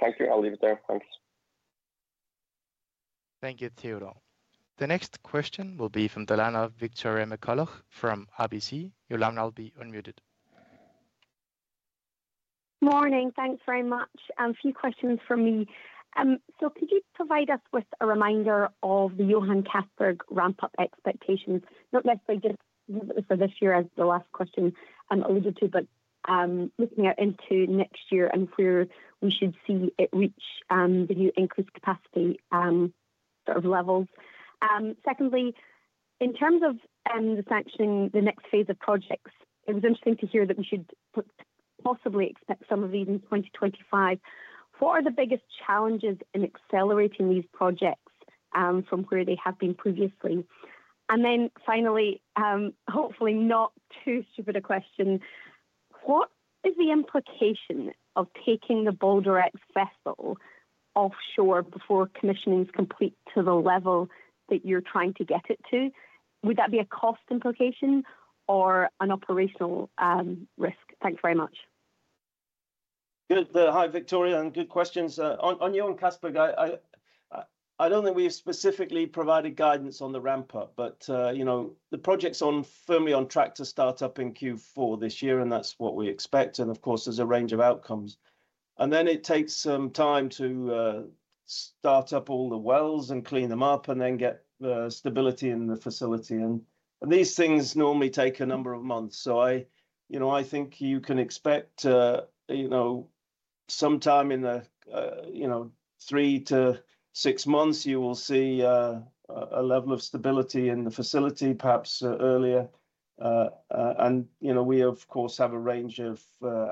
Thank you. I'll leave it there. Thanks. Thank you, Teodor. The next question will be from the line of Victoria McCulloch from RBC. Your line now will be unmuted. Morning. Thanks very much, a few questions from me. So could you provide us with a reminder of the Johan Castberg ramp-up expectations? Not necessarily just for this year, as the last question alluded to, but looking out into next year and where we should see it reach the new increased capacity sort of levels. Secondly, in terms of the sanctioning the next phase of projects, it was interesting to hear that we should possibly expect some of these in 2025. What are the biggest challenges in accelerating these projects from where they have been previously? And then finally, hopefully not too stupid a question, what is the implication of taking the Balder X vessel offshore before commissioning is complete to the level that you're trying to get it to? Would that be a cost implication or an operational, risk? Thank you very much. Good. Hi, Victoria, and good questions. On you and Casper, I don't think we've specifically provided guidance on the ramp up, but, you know, the project's on firmly on track to start up in Q4 this year, and that's what we expect, and of course, there's a range of outcomes. And then it takes some time to start up all the wells and clean them up, and then get the stability in the facility, and these things normally take a number of months. So you know, I think you can expect, you know, sometime in the, you know, 3-6 months, you will see a level of stability in the facility, perhaps earlier. And, you know, we, of course, have a range of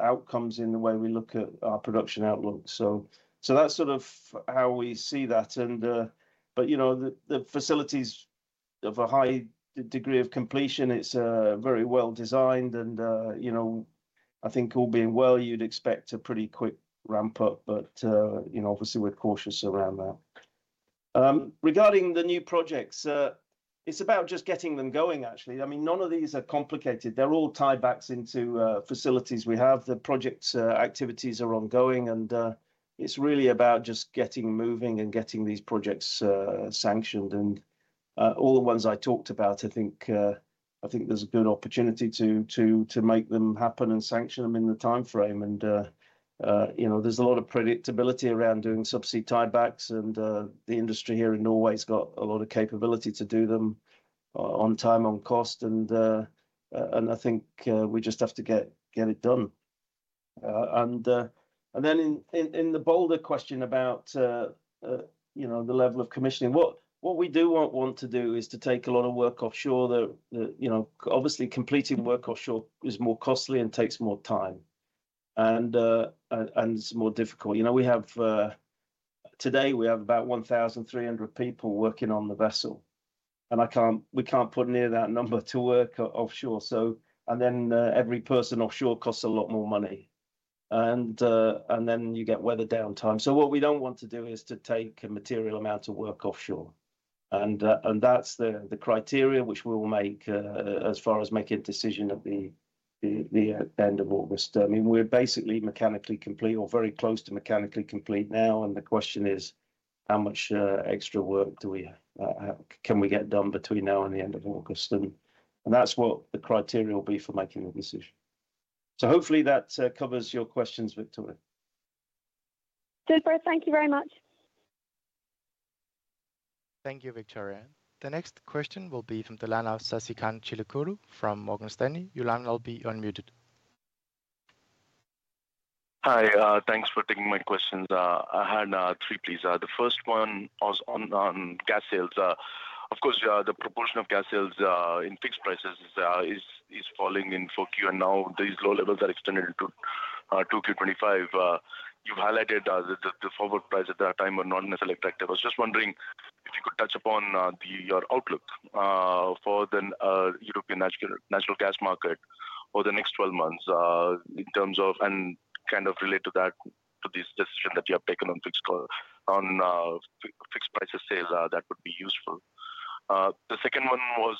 outcomes in the way we look at our production outlook. So that's sort of how we see that, and... But, you know, the facility's of a high degree of completion. It's very well designed, and, you know, I think all being well, you'd expect a pretty quick ramp up, but, you know, obviously we're cautious around that. Regarding the new projects, it's about just getting them going, actually. I mean, none of these are complicated. They're all tie-backs into facilities we have. The projects activities are ongoing, and it's really about just getting moving and getting these projects sanctioned. All the ones I talked about, I think there's a good opportunity to make them happen and sanction them in the timeframe. You know, there's a lot of predictability around doing subsea tie-backs, and the industry here in Norway has got a lot of capability to do them on time, on cost, and I think we just have to get it done. And then in the Balder question about, you know, the level of commissioning, what we do not want to do is to take a lot of work offshore that, you know, obviously, completing work offshore is more costly and takes more time, and it's more difficult. You know, we have... Today, we have about 1,300 people working on the vessel, and we can't put near that number to work offshore, so... And then, every person offshore costs a lot more money, and then you get weather downtime. So what we don't want to do is to take a material amount of work offshore, and that's the criteria which we will make as far as making a decision at the end of August. I mean, we're basically mechanically complete or very close to mechanically complete now, and the question is: how much extra work can we get done between now and the end of August? And that's what the criteria will be for making a decision. So hopefully that covers your questions, Victoria. Super. Thank you very much. Thank you, Victoria. The next question will be from the Sasikanth Chilukuru from Morgan Stanley. Dilanna, you'll be unmuted. Hi, thanks for taking my questions. I had three, please. The first one was on gas sales. Of course, the proportion of gas sales in fixed prices is falling in 4Q, and now these low levels are extended into 2Q 2025. You've highlighted the forward price at that time were not necessarily attractive. I was just wondering if you could touch upon your outlook for the European natural gas market over the next twelve months, in terms of... and kind of relate to that, to this decision that you have taken on fixed price sales. That would be useful. The second one was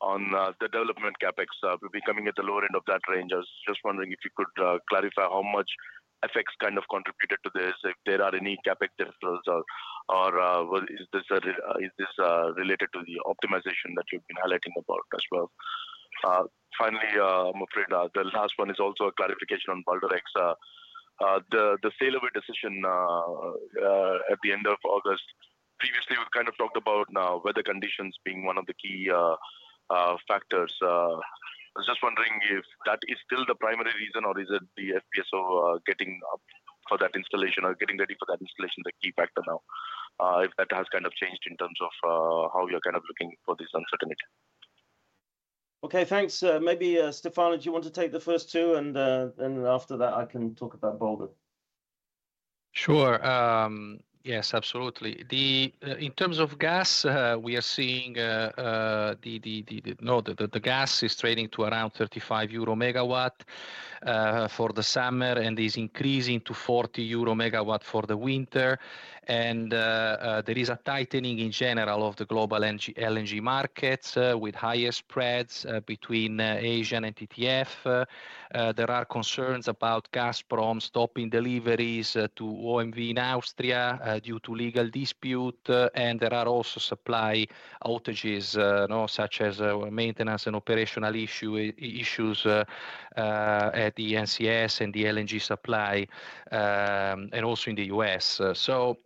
on the development CapEx. We'll be coming at the lower end of that range. I was just wondering if you could clarify how much effects kind of contributed to this, if there are any CapEx differentials or, or, well, is this, is this related to the optimization that you've been highlighting about as well? Finally, I'm afraid, the last one is also a clarification on Balder X. The, the sailaway decision at the end of August. Previously, we kind of talked about weather conditions being one of the key factors. I was just wondering if that is still the primary reason or is it the FPSO getting for that installation or getting ready for that installation, the key factor now? If that has kind of changed in terms of how you're kind of looking for uncertainty. Okay, thanks. Maybe, Stefano, do you want to take the first two, and after that, I can talk about Balder. Sure. Yes, absolutely. In terms of gas, we are seeing the gas is trading to around 35 euro megawatt for the summer, and is increasing to 40 euro MW for the winter. There is a tightening in general of the global LNG markets, with higher spreads between Asian and TTF. There are concerns about Gazprom stopping deliveries to OMV in Austria due to legal dispute, and there are also supply outages, you know, such as maintenance and operational issues at the NCS and the LNG supply and also in the U.S. So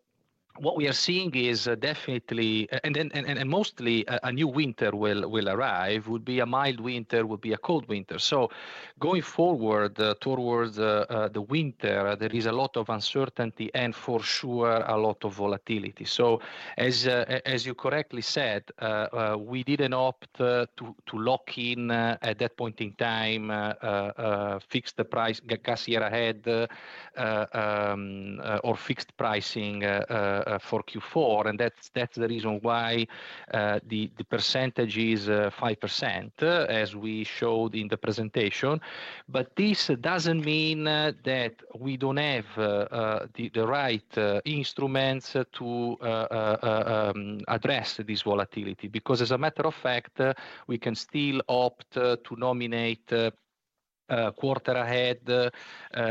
what we are seeing is definitely... And mostly, a new winter will arrive, would be a mild winter, would be a cold winter. So going forward, towards the winter, there is a lot of uncertainty, and for sure, a lot of volatility. So as you correctly said, we didn't opt to lock in at that point in time, fix the price, gas year ahead, or fixed pricing for Q4, and that's the reason why the percentage is 5%, as we showed in the presentation. But this doesn't mean that we don't have the right instruments to address this volatility. Because as a matter of fact, we can still opt to nominate... Quarter-ahead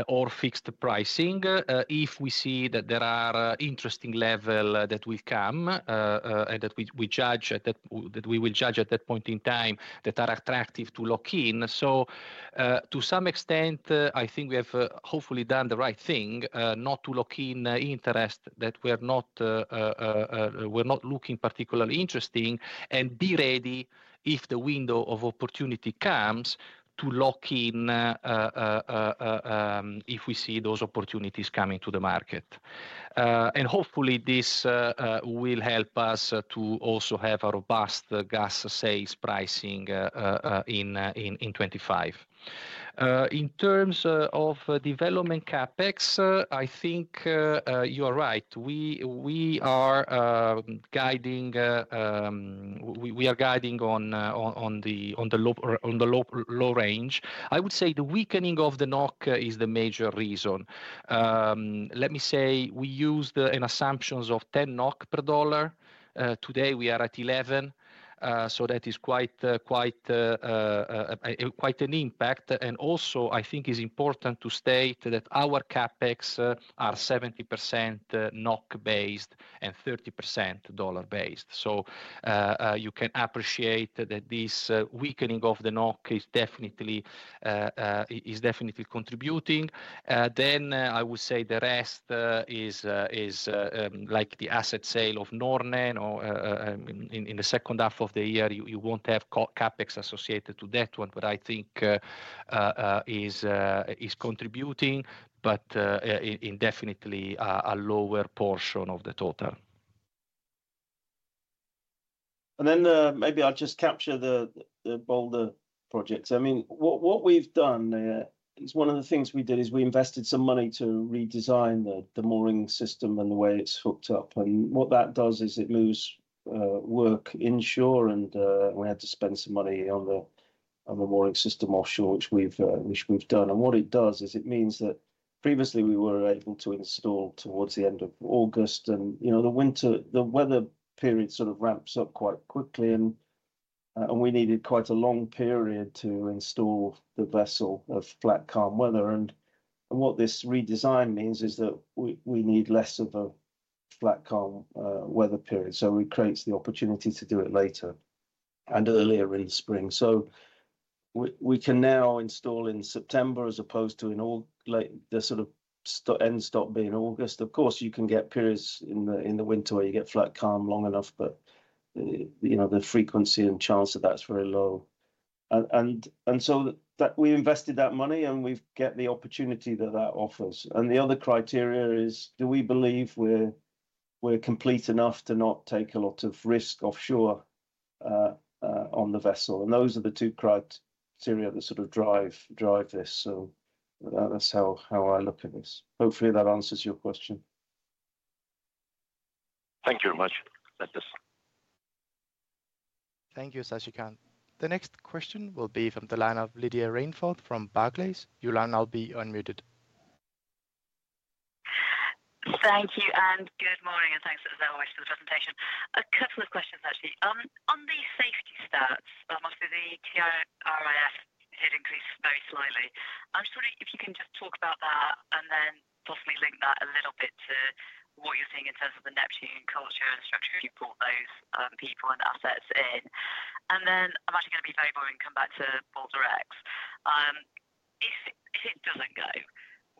or fixed pricing. If we see that there are interesting level that we come and that we, we judge at that- that we will judge at that point in time, that are attractive to lock in. So, to some extent, I think we have hopefully done the right thing, not to lock in interest that we are not were not looking particularly interesting, and be ready if the window of opportunity comes, to lock in if we see those opportunities coming to the market. And hopefully this will help us to also have a robust gas sales pricing in 2025. In terms of development CapEx, I think you are right. We are guiding on the low range. I would say the weakening of the NOK is the major reason. Let me say, we used an assumptions of 10 NOK per dollar. Today we are at 11, so that is quite an impact. And also, I think it's important to state that our CapEx are 70% NOK-based, and 30% dollar-based. So, you can appreciate that this weakening of the NOK is definitely contributing. Then, I would say the rest is like the asset sale of Norne, or in the second half of the year, you won't have CapEx associated to that one, but I think is contributing, but indeed definitely a lower portion of the total. And then, maybe I'll just capture the Balder projects. I mean, what we've done is one of the things we did is we invested some money to redesign the mooring system and the way it's hooked up. And what that does is it moves work inshore and we had to spend some money on the mooring system offshore, which we've done. And what it does is it means that previously we were able to install towards the end of August and, you know, the winter, the weather period sort of ramps up quite quickly and we needed quite a long period to install the vessel in flat, calm weather. And what this redesign means is that we need less of a flat, calm, weather period, so it creates the opportunity to do it later and earlier in spring. So we can now install in September, as opposed to in August, like the sort of end stop being August. Of course, you can get periods in the winter where you get flat calm long enough, but you know, the frequency and chance of that is very low. And so that, we invested that money, and we've get the opportunity that that offers. And the other criteria is, do we believe we're complete enough to not take a lot of risk offshore, on the vessel? And those are the two criteria that sort of drive this. So that is how I look at this. Hopefully, that answers your question. Thank you very much. That's it. Thank you, Sasikanth. The next question will be from the line of Lydia Rainforth from Barclays. Your line now be unmuted. Thank you, and good morning, and thanks as well for the presentation. A couple of questions, actually. On the safety stats, obviously the TRIF had increased very slightly. I was wondering if you can just talk about that, and then possibly link that a little bit to what you're seeing in terms of the Neptune culture and structure, if you brought those people and assets in. And then I'm actually gonna be very boring and come back to Balder X. If it doesn't go,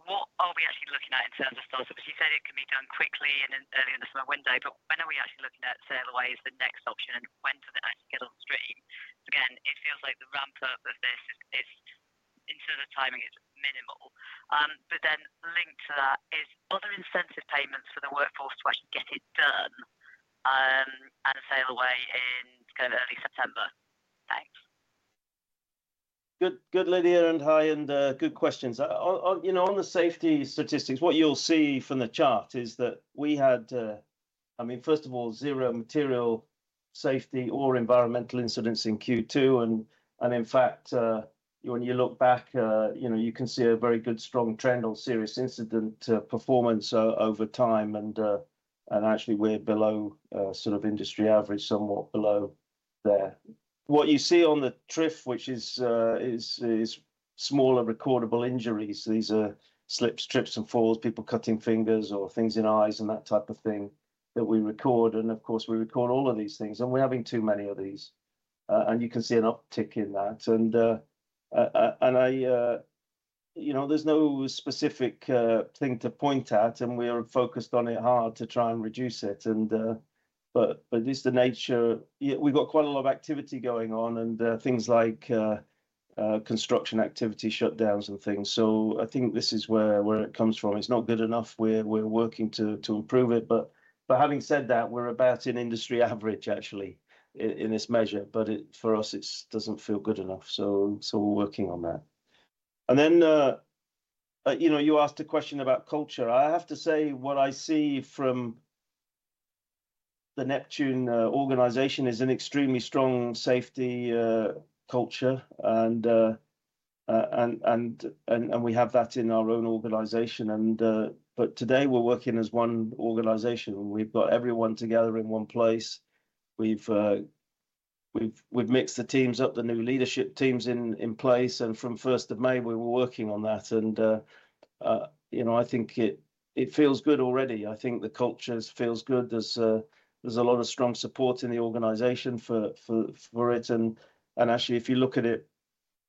what are we actually looking at in terms of You said it can be done quickly and then earlier in the summer window, but when are we actually looking at sail away as the next option, and when does it actually get on stream? Again, it feels like the ramp up of this is, in terms of timing, is minimal. But then linked to that, are there incentive payments for the workforce to actually get it done, at a sail away in kind of early September? Thanks. Good, good, Lydia, and hi, and good questions. On, you know, on the safety statistics, what you'll see from the chart is that we had, I mean, first of all, zero material safety or environmental incidents in Q2. And in fact, when you look back, you know, you can see a very good, strong trend on serious incident performance over time, and actually we're below sort of industry average, somewhat below there. What you see on the TRIF, which is smaller recordable injuries. These are slips, trips, and falls, people cutting fingers or things in eyes, and that type of thing that we record, and of course, we record all of these things, and we're having too many of these. And you can see an uptick in that, and I, you know, there's no specific thing to point at, and we are focused on it hard to try and reduce it, but it's the nature... Yeah, we've got quite a lot of activity going on, and things like construction activity shutdowns and things. So I think this is where it comes from. It's not good enough. We're working to improve it, but having said that, we're about in industry average, actually, in this measure, but it, for us, it's doesn't feel good enough, so we're working on that. And then, you know, you asked a question about culture. I have to say, what I see from the Neptune organization is an extremely strong safety culture, and we have that in our own organization, but today we're working as one organization. We've got everyone together in one place. We've mixed the teams up, the new leadership team's in place, and from 1st of May, we were working on that. You know, I think it feels good already. I think the culture feels good. There's a lot of strong support in the organization for it, and actually, if you look at it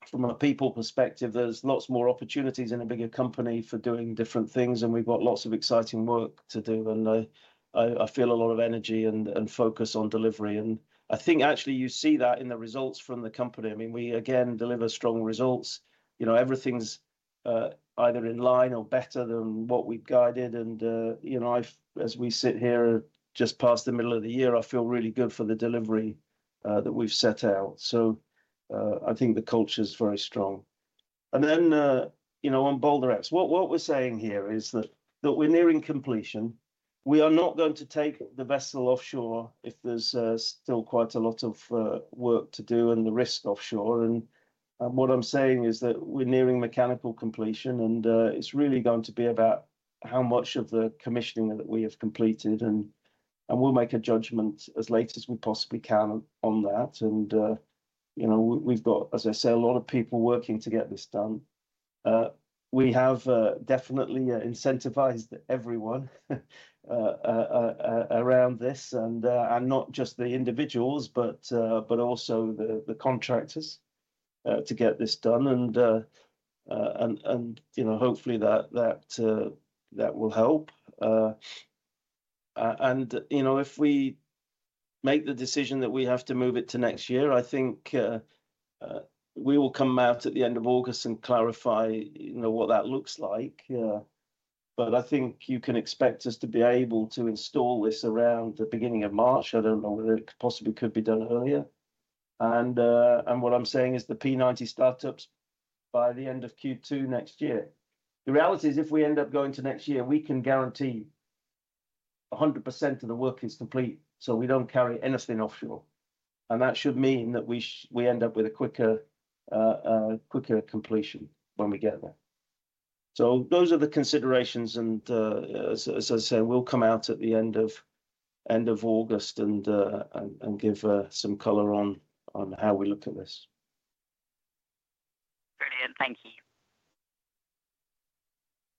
from a people perspective, there's lots more opportunities in a bigger company for doing different things, and we've got lots of exciting work to do, and I feel a lot of energy and focus on delivery. And I think, actually, you see that in the results from the company. I mean, we again deliver strong results. You know, everything's either in line or better than what we've guided and, you know, as we sit here, just past the middle of the year, I feel really good for the delivery that we've set out. So, I think the culture's very strong. And then, you know, on Balder X, what we're saying here is that we're nearing completion. We are not going to take the vessel offshore if there's still quite a lot of work to do and the risk offshore. What I'm saying is that we're nearing mechanical completion, and it's really going to be about how much of the commissioning that we have completed, and we'll make a judgment as late as we possibly can on that. You know, we've got, as I said, a lot of people working to get this done. We have definitely incentivized everyone around this, and not just the individuals, but also the contractors to get this done. You know, hopefully, that will help. You know, if we make the decision that we have to move it to next year, I think we will come out at the end of August and clarify, you know, what that looks like. But I think you can expect us to be able to install this around the beginning of March. I don't know whether it possibly could be done earlier. And what I'm saying is the P90 startups by the end of Q2 next year. The reality is, if we end up going to next year, we can guarantee 100% of the work is complete, so we don't carry anything offshore, and that should mean that we end up with a quicker completion when we get there. So those are the considerations, and, as I said, we'll come out at the end of August and give some color on how we look at this. Brilliant. Thank you.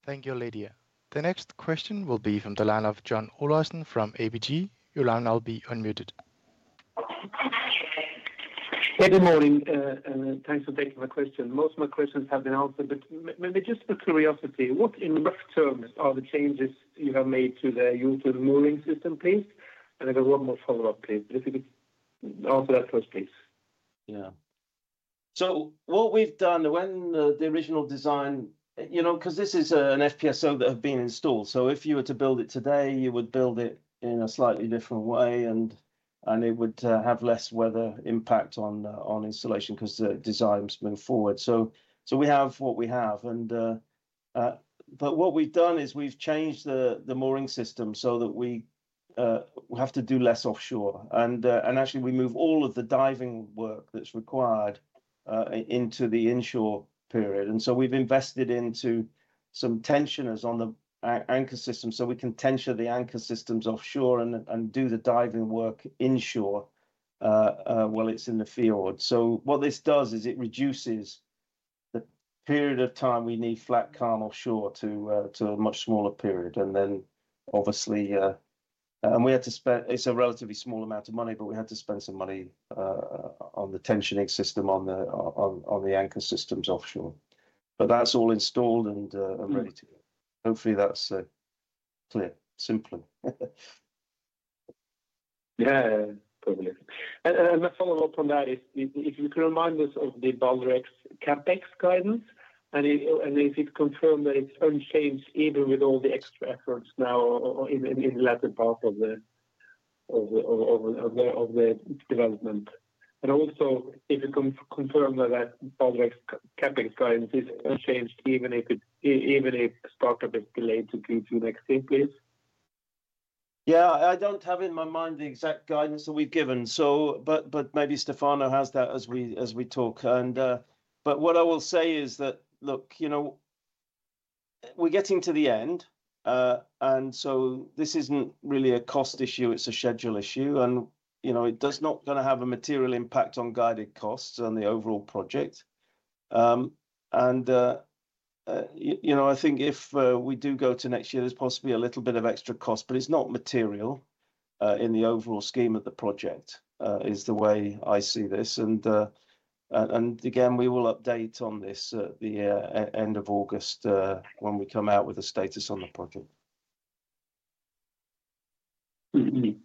Thank you, Lydia. The next question will be from the line of John Olaisen from ABG. Your line now be unmuted. Good morning, and thanks for taking my question. Most of my questions have been answered, but maybe just for curiosity, what in rough terms are the changes you have made to the Jotun mooring system, please? And I got one more follow-up, please. But if you could answer that first, please. Yeah. So what we've done, when the original design... You know, 'cause this is an FPSO that have been installed, so if you were to build it today, you would build it in a slightly different way, and it would have less weather impact on installation 'cause the design was moved forward. So we have what we have, and but what we've done is we've changed the mooring system so that we have to do less offshore. And actually, we move all of the diving work that's required into the inshore period. And so we've invested into some tensioners on the anchor system, so we can tension the anchor systems offshore and do the diving work inshore while it's in the fjord. So what this does is it reduces the period of time we need flat calm offshore to a much smaller period. And then obviously, and we had to spend—It's a relatively small amount of money, but we had to spend some money on the tensioning system on the anchor systems offshore. But that's all installed and ready to go. Hopefully, that's clear, simpler. Yeah, yeah. Perfect. And my follow-up on that is if you could remind us of the Balder X CapEx guidance, and if you'd confirm that it's unchanged, even with all the extra efforts now or in the latter part of the development. And also, if you confirm that that Balder X CapEx guidance is unchanged, even if startup is delayed to Q2 next year, please. Yeah. I don't have in my mind the exact guidance that we've given, so... But, but maybe Stefano has that as we, as we talk. And, but what I will say is that, look, you know, we're getting to the end, and so this isn't really a cost issue, it's a schedule issue, and, you know, it does not gonna have a material impact on guided costs on the overall project. And, you know, I think if, we do go to next year, there's possibly a little bit of extra cost, but it's not material, in the overall scheme of the project, is the way I see this. And, and, and again, we will update on this at the, end of August, when we come out with a status on the project. Mm-hmm.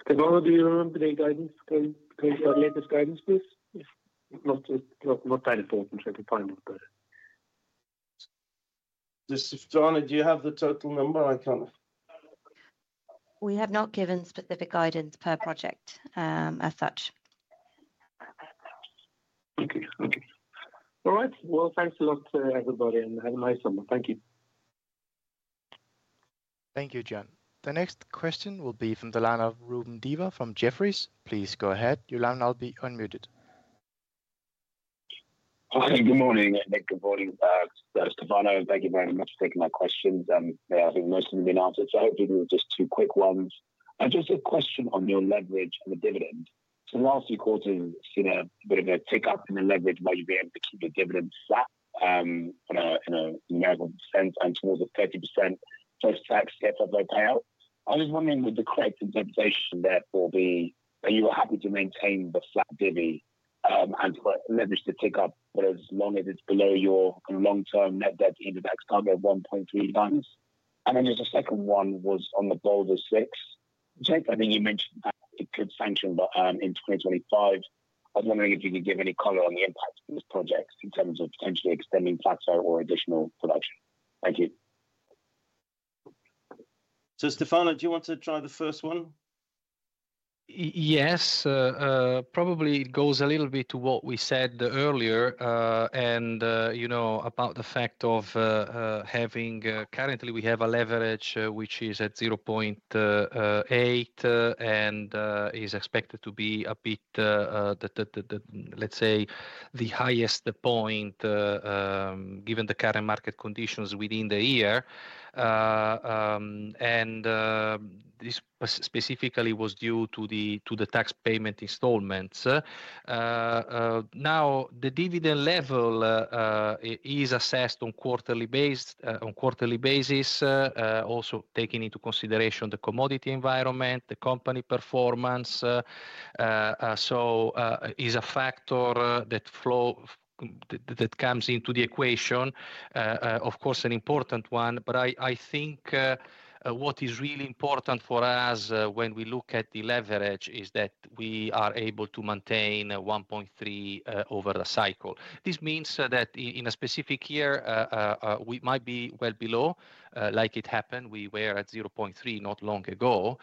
Stefano, do you remember the guidance, the latest guidance, please? If not, it's not that important, so we find it, but. Stefano, do you have the total number? I can't... We have not given specific guidance per project, as such. Okay. Okay. All right. Well, thanks a lot, everybody, and have a nice summer. Thank you. Thank you, John. The next question will be from the line of Ruben Dewa from Jefferies. Please go ahead. Your line is now unmuted.... Hi, good morning, Nick. Good morning, Stefano. Thank you very much for taking my questions, and I think most have been answered, so I hope to do just two quick ones. Just a question on your leverage and the dividend. So the last few quarters have seen a bit of a tick up in the leverage, while you've been able to keep the dividend flat, in a measurable sense, and towards the 30% post-tax payout. I was wondering, would the correct interpretation, therefore, be that you were happy to maintain the flat divvy, and for leverage to tick up, but as long as it's below your long-term net debt to EBITDA target of 1.3x? And then just a second one was on the Balder phase VI. I think you mentioned that it could sanction by in 2025. I was wondering if you could give any color on the impact of this project in terms of potentially extending plateau or additional production. Thank you. Stefano, do you want to try the first one? Yes, probably it goes a little bit to what we said earlier, and, you know, about the fact of having... Currently, we have a leverage, which is at 0.8, and is expected to be a bit, let's say, the highest point, given the current market conditions within the year. And, this specifically was due to the tax payment installments. Now, the dividend level is assessed on quarterly basis, also taking into consideration the commodity environment, the company performance, so is a factor that flows, that comes into the equation. Of course, an important one, but I think what is really important for us, when we look at the leverage, is that we are able to maintain a 1.3 over a cycle. This means that in a specific year, we might be well below, like it happened, we were at 0.3 not long ago.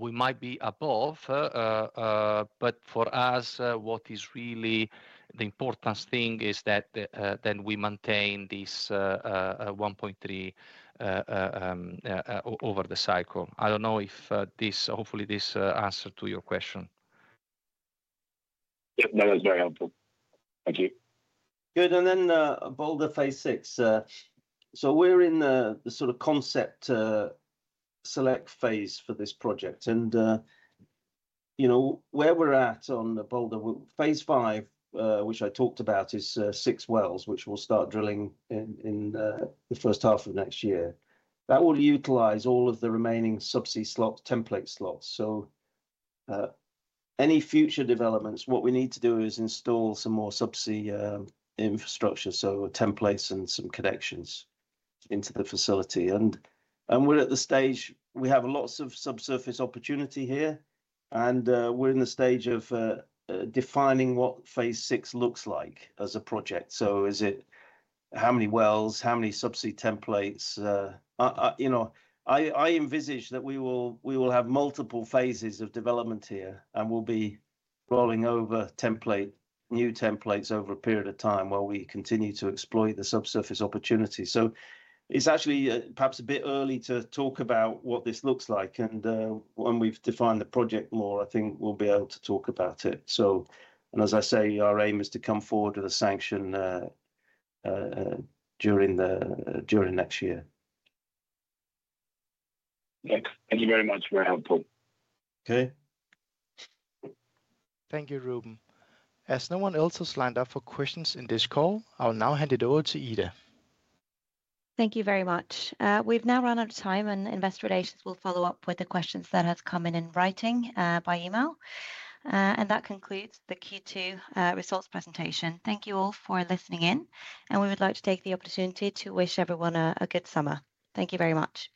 We might be above, but for us, what is really the important thing is that we maintain this 1.3 over the cycle. I don't know if, hopefully, this answered to your question. Yep. That was very helpful. Thank you. Good. And then, Balder Phase VI. So we're in the sort of concept select phase for this project. And, you know, where we're at on the Balder phase V, which I talked about, is six wells, which we'll start drilling in the first half of next year. That will utilize all of the remaining subsea slot, template slots. So, any future developments, what we need to do is install some more subsea infrastructure, so templates and some connections into the facility. And we're at the stage, we have lots of subsurface opportunity here, and we're in the stage of defining what phase VI looks like as a project. So is it how many wells, how many subsea templates? You know, I envisage that we will have multiple phases of development here, and we'll be rolling over template, new templates, over a period of time while we continue to exploit the subsurface opportunity. So it's actually perhaps a bit early to talk about what this looks like, and when we've defined the project more, I think we'll be able to talk about it. So... And as I say, our aim is to come forward with a sanction during next year. Thanks. Thank you very much. Very helpful. Okay. Thank you, Ruben. As no one else has signed up for questions in this call, I will now hand it over to Ida. Thank you very much. We've now run out of time, and investor relations will follow up with the questions that have come in in writing, by email. That concludes the Q2 results presentation. Thank you all for listening in, and we would like to take the opportunity to wish everyone a good summer. Thank you very much.